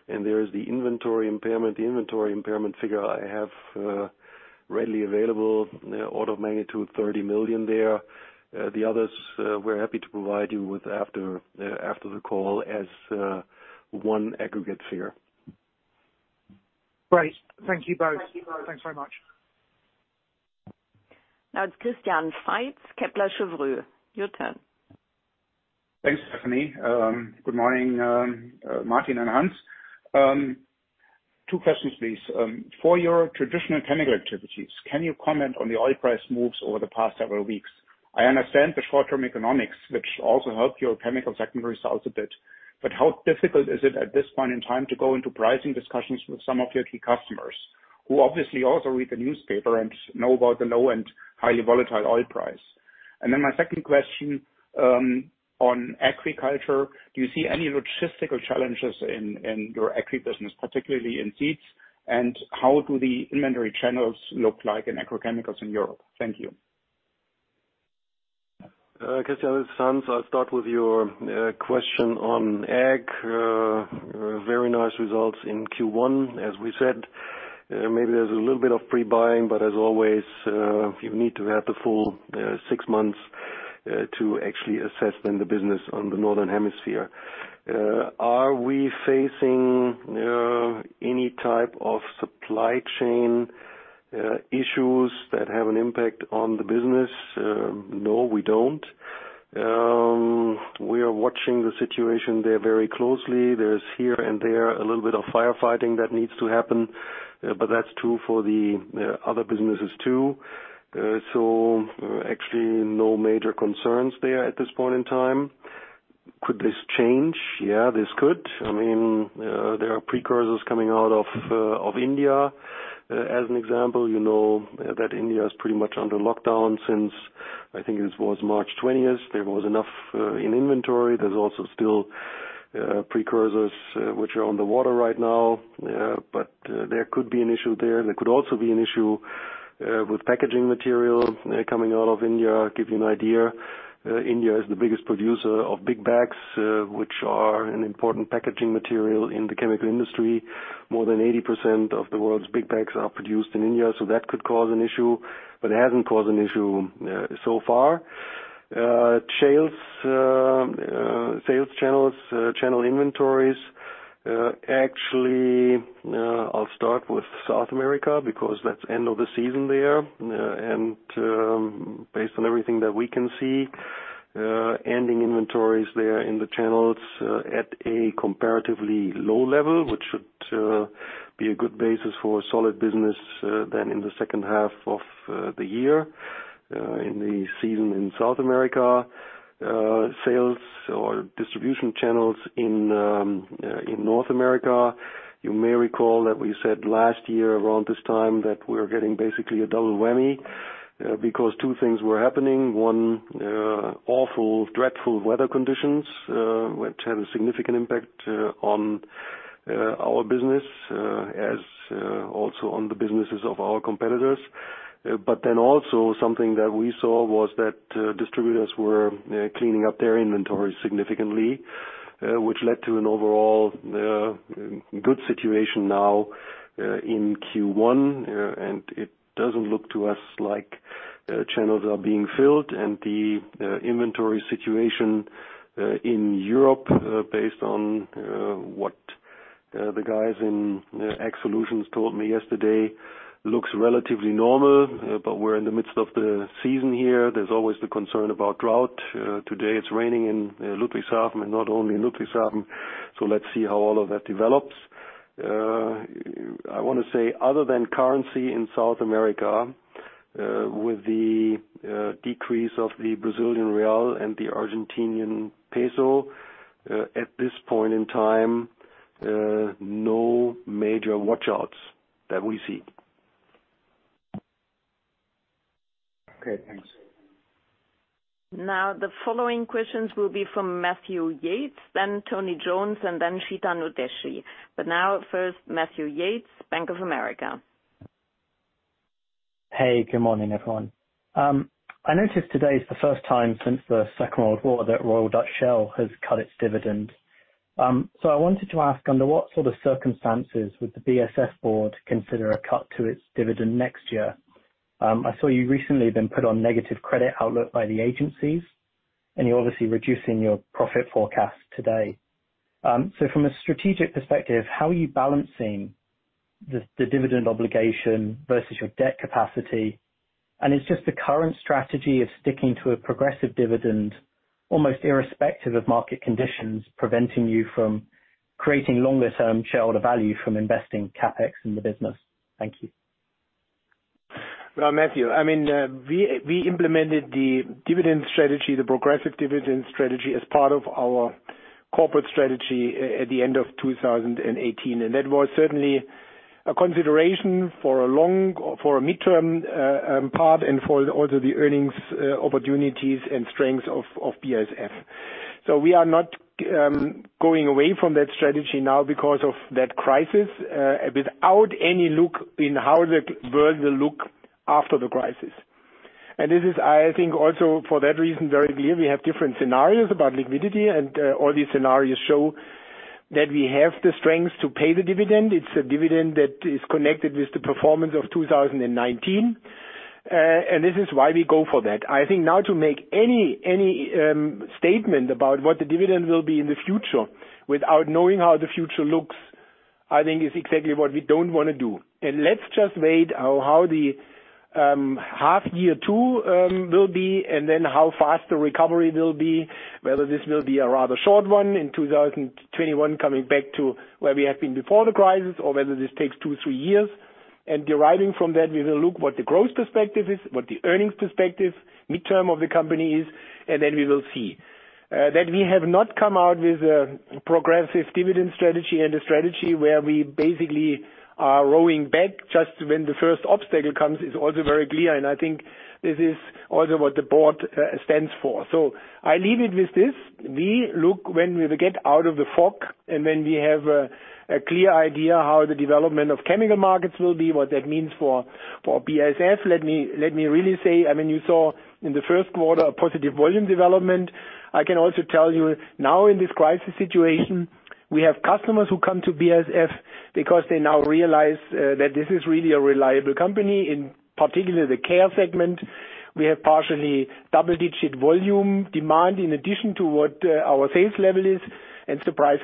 and there is the inventory impairment. The inventory impairment figure I have readily available, order of magnitude, 30 million there. The others, we're happy to provide you with after the call as one aggregate figure. Great. Thank you both. Thanks very much. Now it's Christian Faitz, Kepler Cheuvreux. Your turn. Thanks, Stefanie. Good morning, Martin and Hans. Two questions, please. For your traditional chemical activities, can you comment on the oil price moves over the past several weeks? I understand the short-term economics, which also help your chemical segment results a bit. How difficult is it at this point in time to go into pricing discussions with some of your key customers, who obviously also read the newspaper and know about the low and highly volatile oil price? My second question on agriculture, do you see any logistical challenges in your agri business, particularly in seeds? How do the inventory channels look like in agrochemicals in Europe? Thank you. Christian, it's Hans. I'll start with your question on ag. Very nice results in Q1, as we said. Maybe there's a little bit of pre-buying, as always, you need to have the full six months to actually assess then the business on the Northern Hemisphere. Are we facing any type of supply chain issues that have an impact on the business? No, we don't. We are watching the situation there very closely. There's here and there a little bit of firefighting that needs to happen, but that's true for the other businesses too. Actually, no major concerns there at this point in time. Could this change? Yeah, this could. There are precursors coming out of India, as an example. You know that India is pretty much under lockdown since I think it was March 20th. There was enough in inventory. There's also still precursors which are on the water right now. There could be an issue there. There could also be an issue with packaging material coming out of India. Give you an idea. India is the biggest producer of big bags, which are an important packaging material in the chemical industry. More than 80% of the world's big bags are produced in India, so that could cause an issue, but it hasn't caused an issue so far. Sales channel inventories. Actually, I'll start with South America because that's end of the season there, and based on everything that we can see, ending inventories there in the channels at a comparatively low level, which should be a good basis for solid business then in the second half of the year, in the season in South America. Sales or distribution channels in North America, you may recall that we said last year around this time that we're getting basically a double whammy because two things were happening. One, awful, dreadful weather conditions, which had a significant impact on our business as also on the businesses of our competitors. Also something that we saw was that distributors were cleaning up their inventory significantly, which led to an overall good situation now in Q1. It doesn't look to us like channels are being filled. The inventory situation in Europe, based on what the guys in Agricultural Solutions told me yesterday, looks relatively normal, but we're in the midst of the season here. There's always the concern about drought. Today it's raining in Ludwigshafen and not only in Ludwigshafen, let's see how all of that develops.I want to say other than currency in South America, with the decrease of the Brazilian real and the Argentinian peso, at this point in time, no major watch outs that we see. Okay, thanks. Now the following questions will be from Matthew Yates, then Tony Jones, and then Chetan Udeshi. Now first, Matthew Yates, Bank of America. Hey, good morning, everyone. I noticed today's the first time since the Second World War that Royal Dutch Shell has cut its dividend. I wanted to ask, under what sort of circumstances would the BASF board consider a cut to its dividend next year? I saw you recently have been put on negative credit outlook by the agencies, and you're obviously reducing your profit forecast today. From a strategic perspective, how are you balancing the dividend obligation versus your debt capacity? Is just the current strategy of sticking to a progressive dividend almost irrespective of market conditions preventing you from creating longer-term shareholder value from investing CapEx in the business? Thank you. Well, Matthew, we implemented the progressive dividend strategy as part of our corporate strategy at the end of 2018, and that was certainly a consideration for a midterm part and for also the earnings opportunities and strengths of BASF. We are not going away from that strategy now because of that crisis, without any look in how the world will look after the crisis. This is, I think, also for that reason, very clear. We have different scenarios about liquidity, and all these scenarios show that we have the strength to pay the dividend. It's a dividend that is connected with the performance of 2019. This is why we go for that. I think now to make any statement about what the dividend will be in the future without knowing how the future looks, I think is exactly what we don't want to do. Let's just wait how the half year two will be, and then how fast the recovery will be, whether this will be a rather short one in 2021, coming back to where we have been before the crisis, or whether this takes two, three years. Deriving from that, we will look what the growth perspective is, what the earnings perspective midterm of the company is, and then we will see. That we have not come out with a progressive dividend strategy and a strategy where we basically are rowing back just when the first obstacle comes is also very clear, and I think this is also what the board stands for. I leave it with this. We look when we get out of the fog and when we have a clear idea how the development of chemical markets will be, what that means for BASF. Let me really say, you saw in the first quarter a positive volume development. I can also tell you now in this crisis situation, we have customers who come to BASF because they now realize that this is really a reliable company. In particular the Care segment. We have partially double-digit volume demand in addition to what our sales level is, and surprise,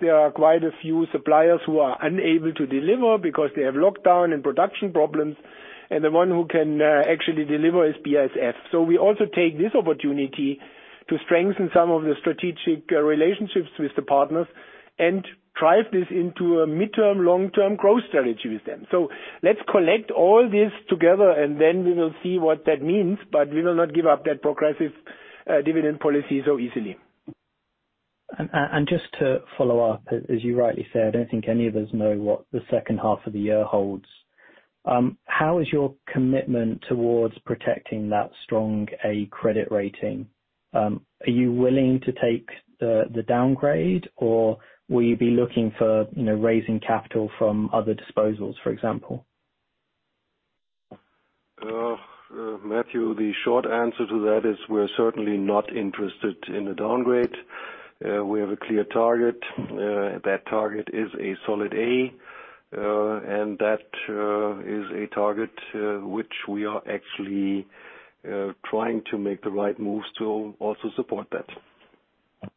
there are quite a few suppliers who are unable to deliver because they have lockdown and production problems, and the one who can actually deliver is BASF. We also take this opportunity to strengthen some of the strategic relationships with the partners and drive this into a midterm, long-term growth strategy with them. Let's collect all this together and then we will see what that means, but we will not give up that progressive dividend policy so easily. Just to follow up, as you rightly said, I don't think any of us know what the second half of the year holds. How is your commitment towards protecting that strong A credit rating? Are you willing to take the downgrade or will you be looking for raising capital from other disposals, for example? Matthew, the short answer to that is we're certainly not interested in a downgrade. We have a clear target. That target is a solid A, and that is a target which we are actually trying to make the right moves to also support that.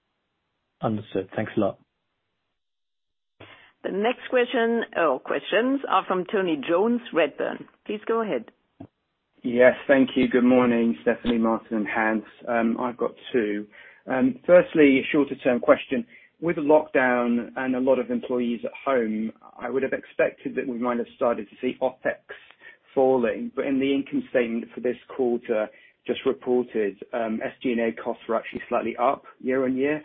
Understood. Thanks a lot. The next question or questions are from Tony Jones, Redburn. Please go ahead. Yes, thank you. Good morning, Stefanie, Martin, and Hans. I've got two. Firstly, a shorter-term question. With the lockdown and a lot of employees at home, I would have expected that we might have started to see OpEx falling, but in the income statement for this quarter just reported, SG&A costs were actually slightly up year-on-year.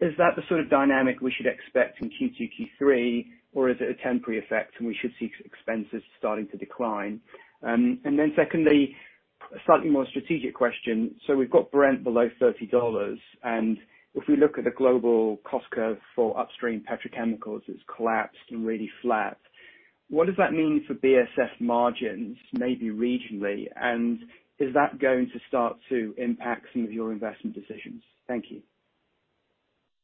Is that the sort of dynamic we should expect in Q2, Q3, or is it a temporary effect and we should see expenses starting to decline? Secondly, a slightly more strategic question. We've got Brent below $30, and if we look at the global cost curve for upstream petrochemicals, it's collapsed and really flat. What does that mean for BASF margins, maybe regionally? Is that going to start to impact some of your investment decisions? Thank you.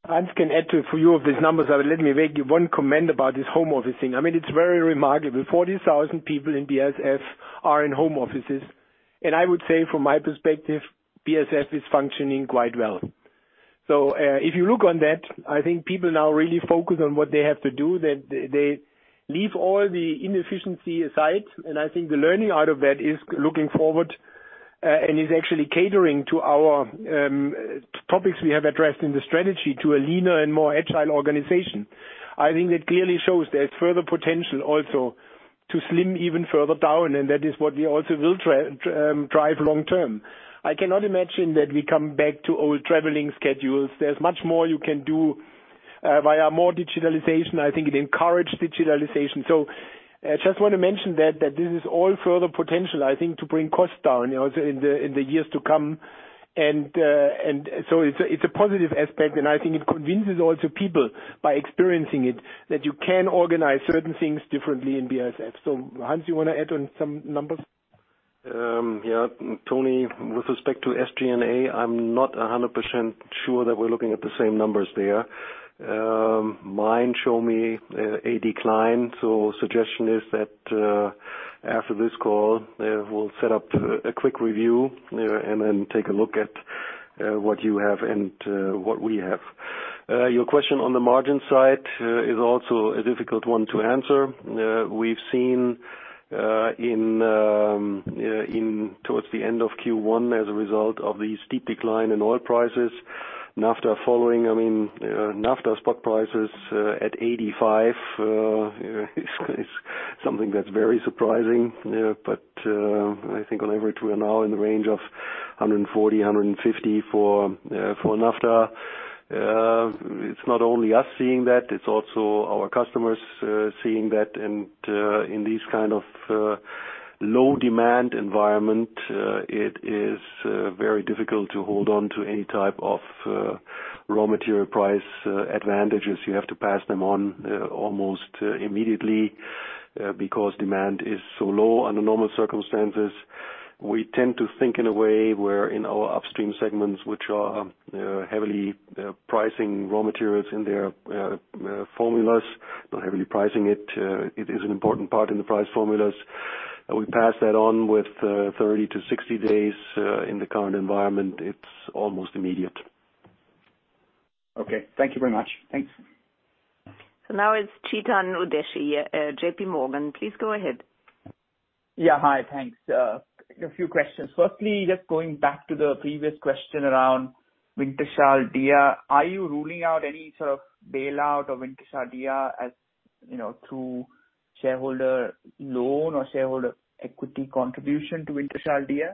I just can add to a few of these numbers, but let me make one comment about this home office thing. It's very remarkable. 40,000 people in BASF are in home offices, and I would say from my perspective, BASF is functioning quite well. If you look on that, I think people now really focus on what they have to do, that they leave all the inefficiency aside. I think the learning out of that is looking forward, and is actually catering to our topics we have addressed in the strategy to a leaner and more agile organization. I think that clearly shows there's further potential also to slim even further down, and that is what we also will drive long term. I cannot imagine that we come back to old traveling schedules. There's much more you can do via more digitalization. I think it encouraged digitalization. I just want to mention that this is all further potential, I think, to bring costs down in the years to come. It's a positive aspect, and I think it convinces also people by experiencing it, that you can organize certain things differently in BASF. Hans, you want to add on some numbers? Tony, with respect to SG&A, I'm not 100% sure that we're looking at the same numbers there. Mine show me a decline. Suggestion is that, after this call, we'll set up a quick review and then take a look at what you have and what we have. Your question on the margin side is also a difficult one to answer. We've seen towards the end of Q1 as a result of the steep decline in oil prices, naphtha following. Naphtha spot prices at 85, is something that's very surprising. I think on average, we are now in the range of 140, 150 for naphtha. It's not only us seeing that, it's also our customers seeing that, and in these kind of low demand environment, it is very difficult to hold on to any type of raw material price advantages. You have to pass them on almost immediately, because demand is so low under normal circumstances. We tend to think in a way where in our upstream segments, which are heavily pricing raw materials in their formulas, not heavily pricing it is an important part in the price formulas. We pass that on with 30-60 days. In the current environment, it's almost immediate. Okay. Thank you very much. Thanks. Now it's Chetan Udeshi, JPMorgan. Please go ahead. Hi. Thanks. A few questions. Firstly, just going back to the previous question around Wintershall Dea. Are you ruling out any sort of bailout of Wintershall Dea as through shareholder loan or shareholder equity contribution to Wintershall Dea?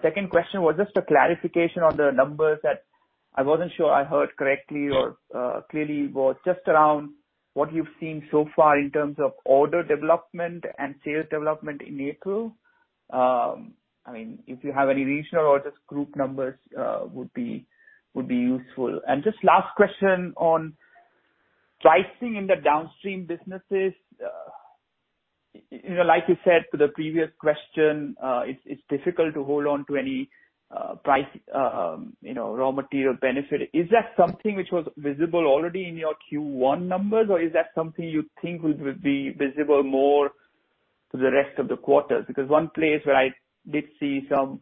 Second question was just a clarification on the numbers that I wasn't sure I heard correctly or clearly, was just around what you've seen so far in terms of order development and sales development in April. If you have any regional or just group numbers would be useful. Just last question on pricing in the downstream businesses. Like you said to the previous question, it's difficult to hold on to any price raw material benefit. Is that something which was visible already in your Q1 numbers, or is that something you think will be visible more to the rest of the quarters? One place where I did see some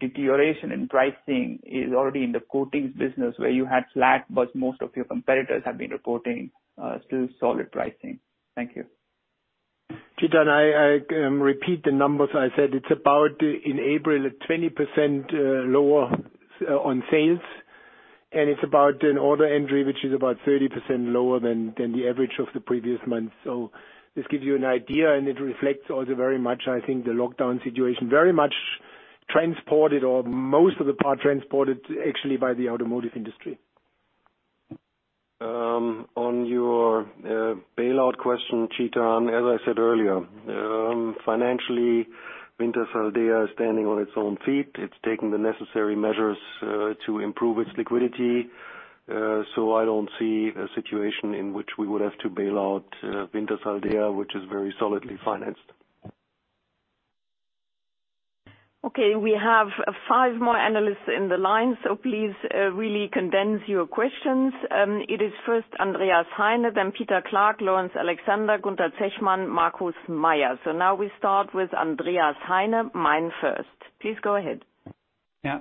deterioration in pricing is already in the coatings business where you had flat, but most of your competitors have been reporting still solid pricing. Thank you. Chetan, I repeat the numbers I said. It's about, in April, 20% lower on sales, and it's about an order entry which is about 30% lower than the average of the previous month. This gives you an idea, and it reflects also very much, I think, the lockdown situation very much transported or most of the part transported actually by the automotive industry. On your bailout question, Chetan, as I said earlier, financially. Wintershall Dea is standing on its own feet. It's taking the necessary measures to improve its liquidity. I don't see a situation in which we would have to bail out Wintershall Dea, which is very solidly financed. Okay. We have five more analysts in the line, so please really condense your questions. It is first Andreas Heine, then Peter Clark, Laurence Alexander, Gunther Zechmann, Markus Mayer. Now we start with Andreas Heine, Stifel. Please go ahead.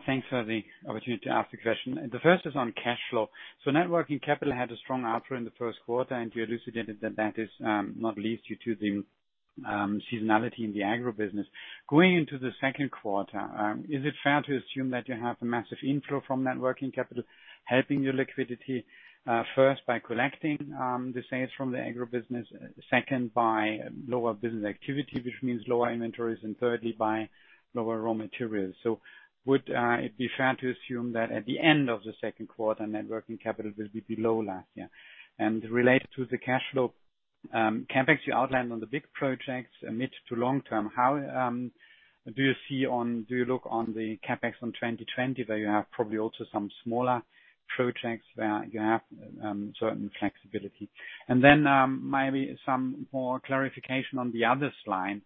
Thanks for the opportunity to ask the question. The first is on cash flow. Net working capital had a strong outflow in the first quarter, and you elucidated that that is not least due to the seasonality in the agro business. Going into the second quarter, is it fair to assume that you have a massive inflow from net working capital helping your liquidity, first by collecting the sales from the agro business, second by lower business activity, which means lower inventories, and thirdly, by lower raw materials. Would it be fair to assume that at the end of the second quarter, net working capital will be below last year? Related to the cash flow, CapEx you outlined on the big projects mid to long-term. How do you look on the CapEx on 2020, where you have probably also some smaller projects where you have certain flexibility? Maybe some more clarification on the other slide,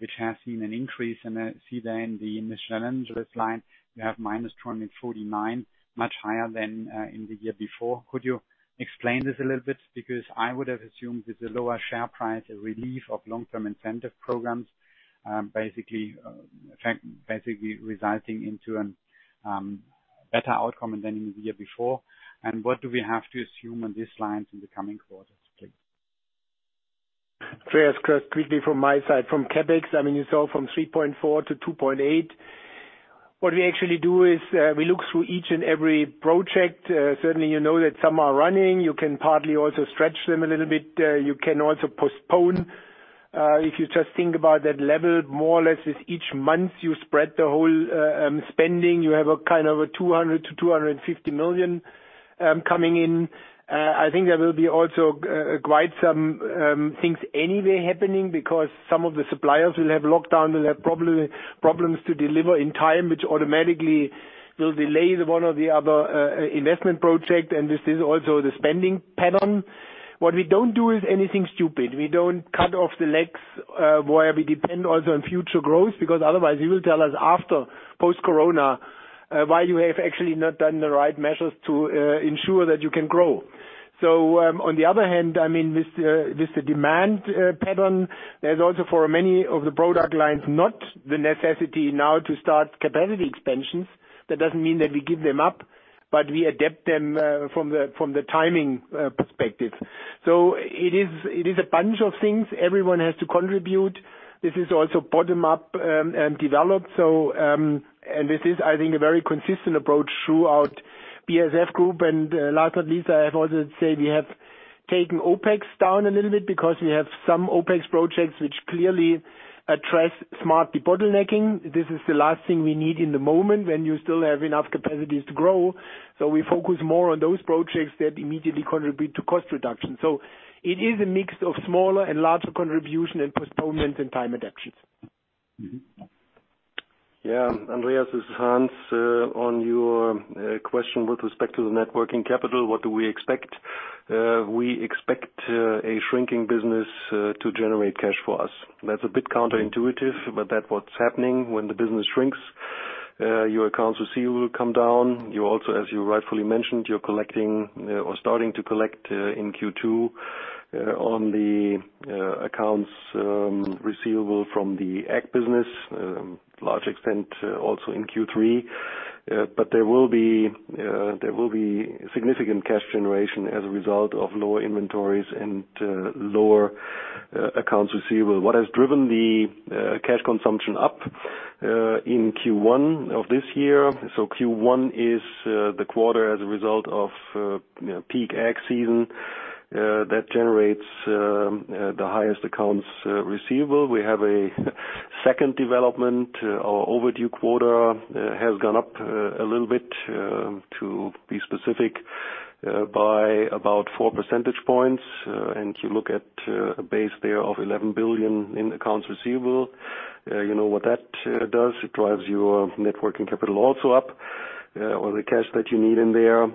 which has seen an increase and I see there in the miscellaneous line you have -249, much higher than in the year before. Could you explain this a little bit? I would have assumed with the lower share price, a relief of long-term incentive programs basically resulting into a better outcome than in the year before. What do we have to assume on these lines in the coming quarters, please? Andreas, quickly from my side, from CapEx, you saw from 3.4 to 2.8. What we actually do is we look through each and every project. Certainly, you know that some are running. You can partly also stretch them a little bit. You can also postpone. If you just think about that level, more or less with each month you spread the whole spending. You have a kind of 200 million to 250 million coming in. I think there will be also quite some things anyway happening because some of the suppliers will have lockdown, will have problems to deliver in time, which automatically will delay the one or the other investment project, and this is also the spending pattern. What we don't do is anything stupid. We don't cut off the legs where we depend also on future growth, because otherwise you will tell us after post-Corona why you have actually not done the right measures to ensure that you can grow. On the other hand, with the demand pattern, there's also for many of the product lines, not the necessity now to start capacity expansions. That doesn't mean that we give them up, but we adapt them from the timing perspective. It is a bunch of things everyone has to contribute. This is also bottom-up developed. This is, I think, a very consistent approach throughout BASF Group. Last not least, I have also to say we have taken OpEx down a little bit because we have some OpEx projects which clearly address smart de-bottlenecking. This is the last thing we need in the moment when you still have enough capacities to grow. We focus more on those projects that immediately contribute to cost reduction. It is a mix of smaller and larger contribution and postponement and time adaptations. Andreas, this is Hans. On your question with respect to the net working capital, what do we expect? We expect a shrinking business to generate cash for us. That's a bit counterintuitive, but that what's happening when the business shrinks, your accounts receivable come down. You also, as you rightfully mentioned, you're collecting or starting to collect in Q2 on the accounts receivable from the ag business, large extent also in Q3. There will be significant cash generation as a result of lower inventories and lower accounts receivable. What has driven the cash consumption up in Q1 of this year. Q1 is the quarter as a result of peak ag season that generates the highest accounts receivable. We have a second development. Our overdue quota has gone up a little bit, to be specific, by about four percentage points. You look at a base there of 11 billion in accounts receivable. You know what that does. It drives your net working capital also up, or the cash that you need in there.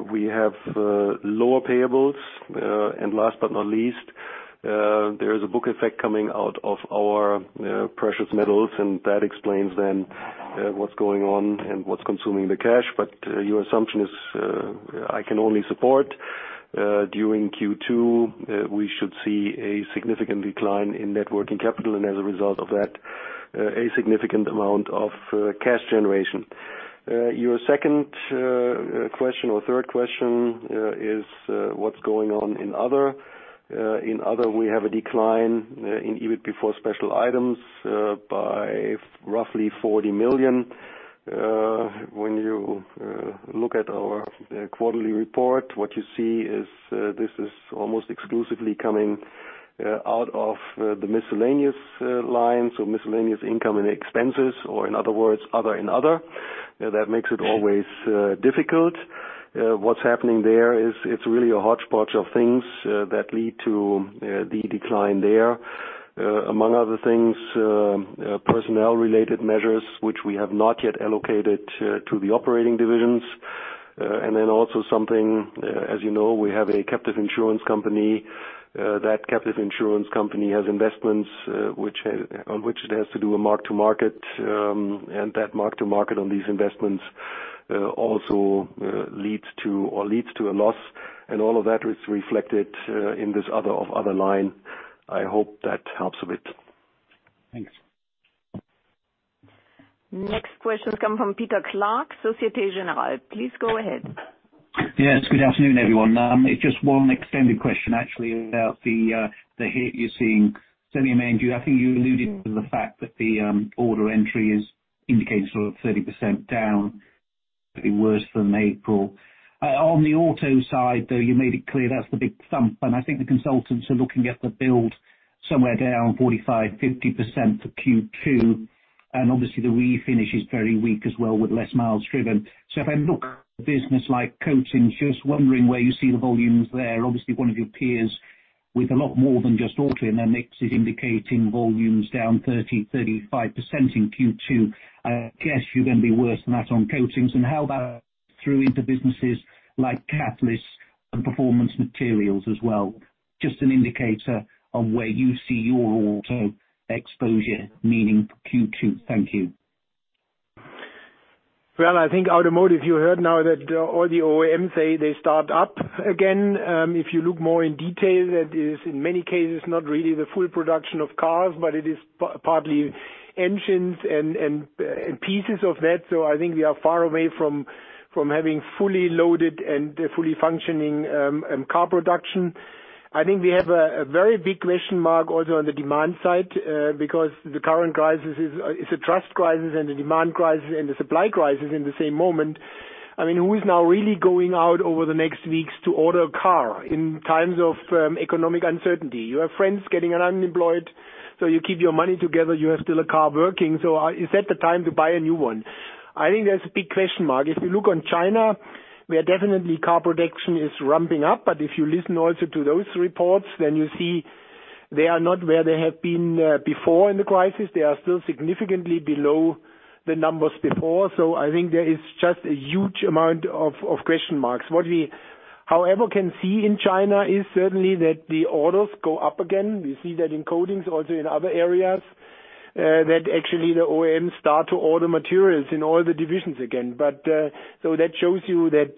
We have lower payables. Last but not least, there is a book effect coming out of our precious metals, and that explains then what's going on and what's consuming the cash. Your assumption is, I can only support. During Q2, we should see a significant decline in net working capital and as a result of that, a significant amount of cash generation. Your second question or third question is what's going on in other. In other, we have a decline in EBIT before special items by roughly 40 million. When you look at our quarterly report, what you see is this is almost exclusively coming out of the miscellaneous lines or miscellaneous income and expenses, or in other words, other. That makes it always difficult. What's happening there is it's really a hodgepodge of things that lead to the decline there. Among other things, personnel-related measures which we have not yet allocated to the operating divisions. Then also something, as you know, we have a captive insurance company. That captive insurance company has investments on which it has to do a mark to market, and that mark to market on these investments also leads to a loss. All of that is reflected in this other line. I hope that helps a bit. Thanks. Next questions come from Peter Clark, Societe Generale. Please go ahead. Yes, good afternoon, everyone. It's just one extended question actually about the hit you're seeing. I think you alluded to the fact that the order entry is indicating sort of 30% down, pretty worse than April. On the auto side, though, you made it clear that's the big thump. I think the consultants are looking at the build somewhere down 45, 50% for Q2, and obviously the refinish is very weak as well with less miles driven. If I look at a business like coatings, just wondering where you see the volumes there. Obviously, one of your peers with a lot more than just auto in their mix is indicating volumes down 30, 35% in Q2. I guess you're going to be worse than that on coatings. How that through into businesses like catalysts and performance materials as well. Just an indicator on where you see your auto exposure, meaning for Q2. Thank you. Well, I think automotive, you heard now that all the OEMs, they start up again. If you look more in detail, that is in many cases not really the full production of cars, but it is partly engines and pieces of that. I think we are far away from having fully loaded and fully functioning car production. I think we have a very big question mark also on the demand side, because the current crisis is a trust crisis and a demand crisis and a supply crisis in the same moment. I mean, who is now really going out over the next weeks to order a car in times of economic uncertainty? You have friends getting unemployed, so you keep your money together. You have still a car working, so is that the time to buy a new one? I think there's a big question mark. If you look on China, where definitely car production is ramping up, but if you listen also to those reports, then you see they are not where they have been before in the crisis. They are still significantly below the numbers before. I think there is just a huge amount of question marks. What we, however, can see in China is certainly that the orders go up again. We see that in coatings, also in other areas, that actually the OEMs start to order materials in all the divisions again. That shows you that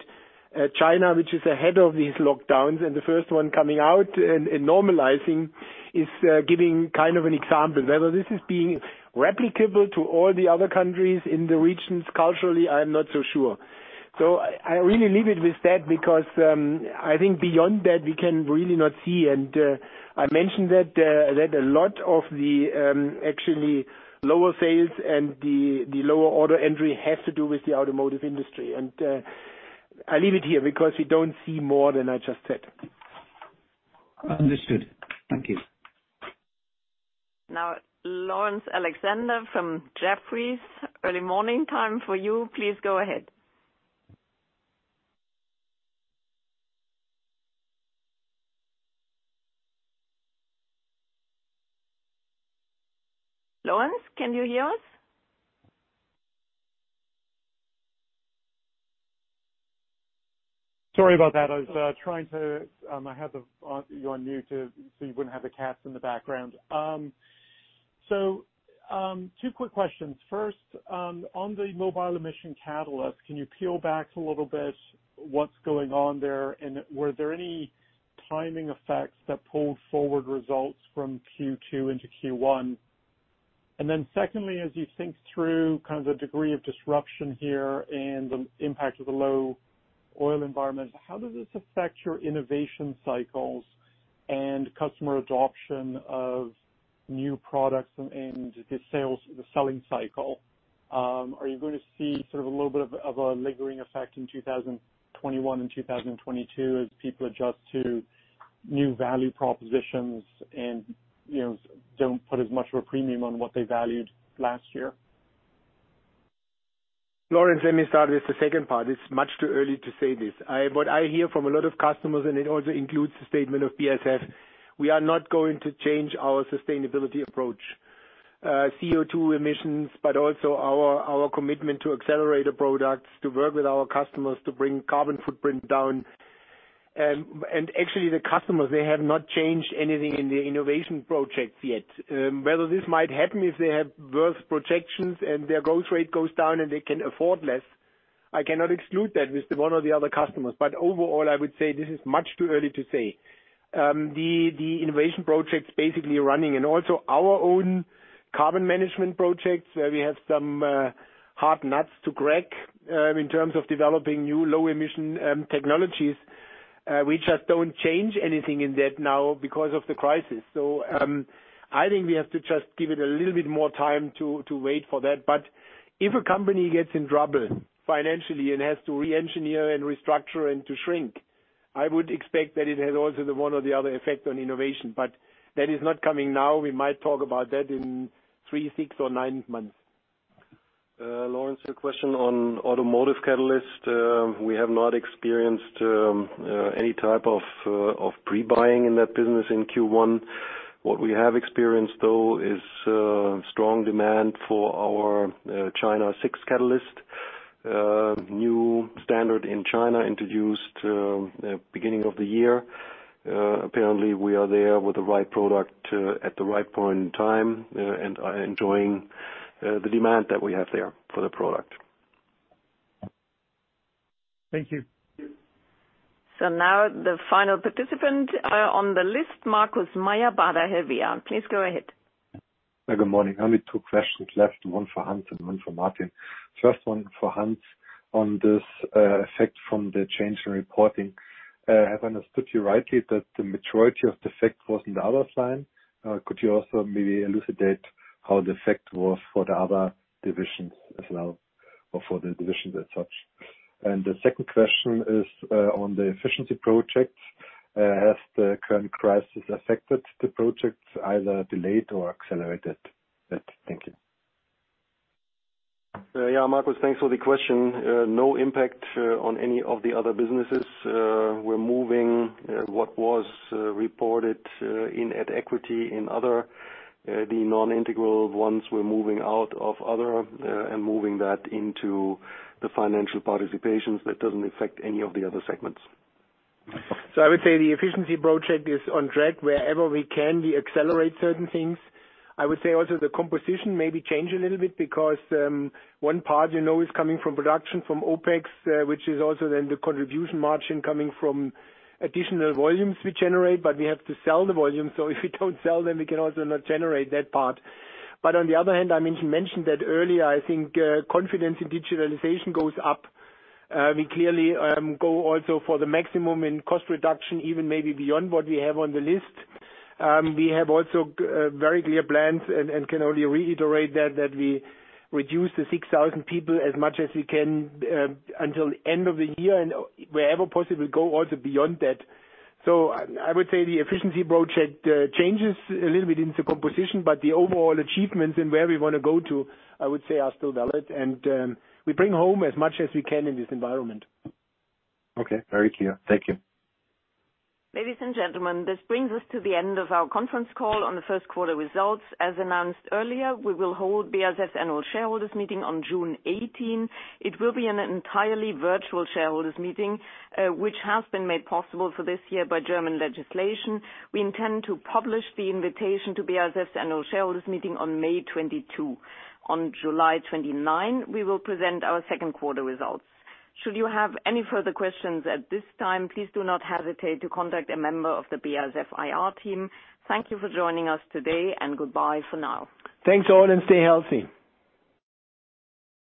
China, which is ahead of these lockdowns and the first one coming out and normalizing, is giving kind of an example. Whether this is being replicable to all the other countries in the regions culturally, I'm not so sure. I really leave it with that because I think beyond that, we can really not see. I mentioned that a lot of the actually lower sales and the lower order entry has to do with the automotive industry. I leave it here because we don't see more than I just said. Understood. Thank you. Laurence Alexander from Jefferies. Early morning time for you. Please go ahead. Laurence, can you hear us? Sorry about that. I had you on mute so you wouldn't have the cats in the background. Two quick questions. First, on the mobile emission catalyst, can you peel back a little bit what's going on there? Were there any timing effects that pulled forward results from Q2 into Q1? Secondly, as you think through the degree of disruption here and the impact of the low oil environment, how does this affect your innovation cycles and customer adoption of new products and the selling cycle? Are you going to see a little bit of a lingering effect in 2021 and 2022 as people adjust to new value propositions and don't put as much of a premium on what they valued last year? Laurence, let me start with the second part. It's much too early to say this. What I hear from a lot of customers, it also includes the statement of BASF, we are not going to change our sustainability approach. CO2 emissions, also our commitment to Accelerator products, to work with our customers to bring carbon footprint down. Actually, the customers, they have not changed anything in the innovation projects yet. Whether this might happen if they have worse projections and their growth rate goes down and they can afford less, I cannot exclude that with one or the other customers. Overall, I would say this is much too early to say. The innovation projects basically are running. Also our own carbon management projects, we have some hard nuts to crack in terms of developing new low-emission technologies. We just don't change anything in that now because of the crisis. I think we have to just give it a little bit more time to wait for that. If a company gets in trouble financially and has to re-engineer and restructure and to shrink. I would expect that it has also the one or the other effect on innovation, but that is not coming now. We might talk about that in three, six or nine months. Laurence, your question on automotive catalyst, we have not experienced any type of pre-buying in that business in Q1. What we have experienced, though, is strong demand for our China VI catalyst. New standard in China introduced beginning of the year. Apparently, we are there with the right product at the right point in time and are enjoying the demand that we have there for the product. Thank you. Now the final participant on the list, Markus Mayer, Baader Helvea. Please go ahead. Good morning. Only two questions left, one for Hans and one for Martin. First one for Hans on this effect from the change in reporting. Have I understood you rightly that the majority of the effect was in the other sign? Could you also maybe elucidate how the effect was for the other divisions as well, or for the divisions as such? The second question is on the efficiency project. Has the current crisis affected the project, either delayed or accelerated that? Thank you. Yeah, Markus, thanks for the question. No impact on any of the other businesses. We're moving what was reported in at equity in Other, the non-integral ones, we're moving out of Other and moving that into the financial participations. That doesn't affect any of the other segments. I would say the efficiency project is on track. Wherever we can, we accelerate certain things. The composition maybe change a little bit because one part you know is coming from production from OpEx, which is also then the contribution margin coming from additional volumes we generate, but we have to sell the volume. If we don't sell them, we can also not generate that part. On the other hand, I mentioned that earlier, I think confidence in digitalization goes up. We clearly go also for the maximum in cost reduction, even maybe beyond what we have on the list. We have also very clear plans and can only reiterate that we reduce the 6,000 people as much as we can until end of the year and wherever possible go also beyond that. I would say the efficiency project changes a little bit in the composition, but the overall achievements and where we want to go to, I would say, are still valid and we bring home as much as we can in this environment. Okay. Very clear. Thank you. Ladies and gentlemen, this brings us to the end of our conference call on the first quarter results. As announced earlier, we will hold BASF Annual Shareholders Meeting on June 18. It will be an entirely virtual shareholders meeting, which has been made possible for this year by German legislation. We intend to publish the invitation to BASF Annual Shareholders Meeting on May 22. On July 29, we will present our second quarter results. Should you have any further questions at this time, please do not hesitate to contact a member of the BASF IR team. Thank you for joining us today, and goodbye for now. Thanks all, and stay healthy.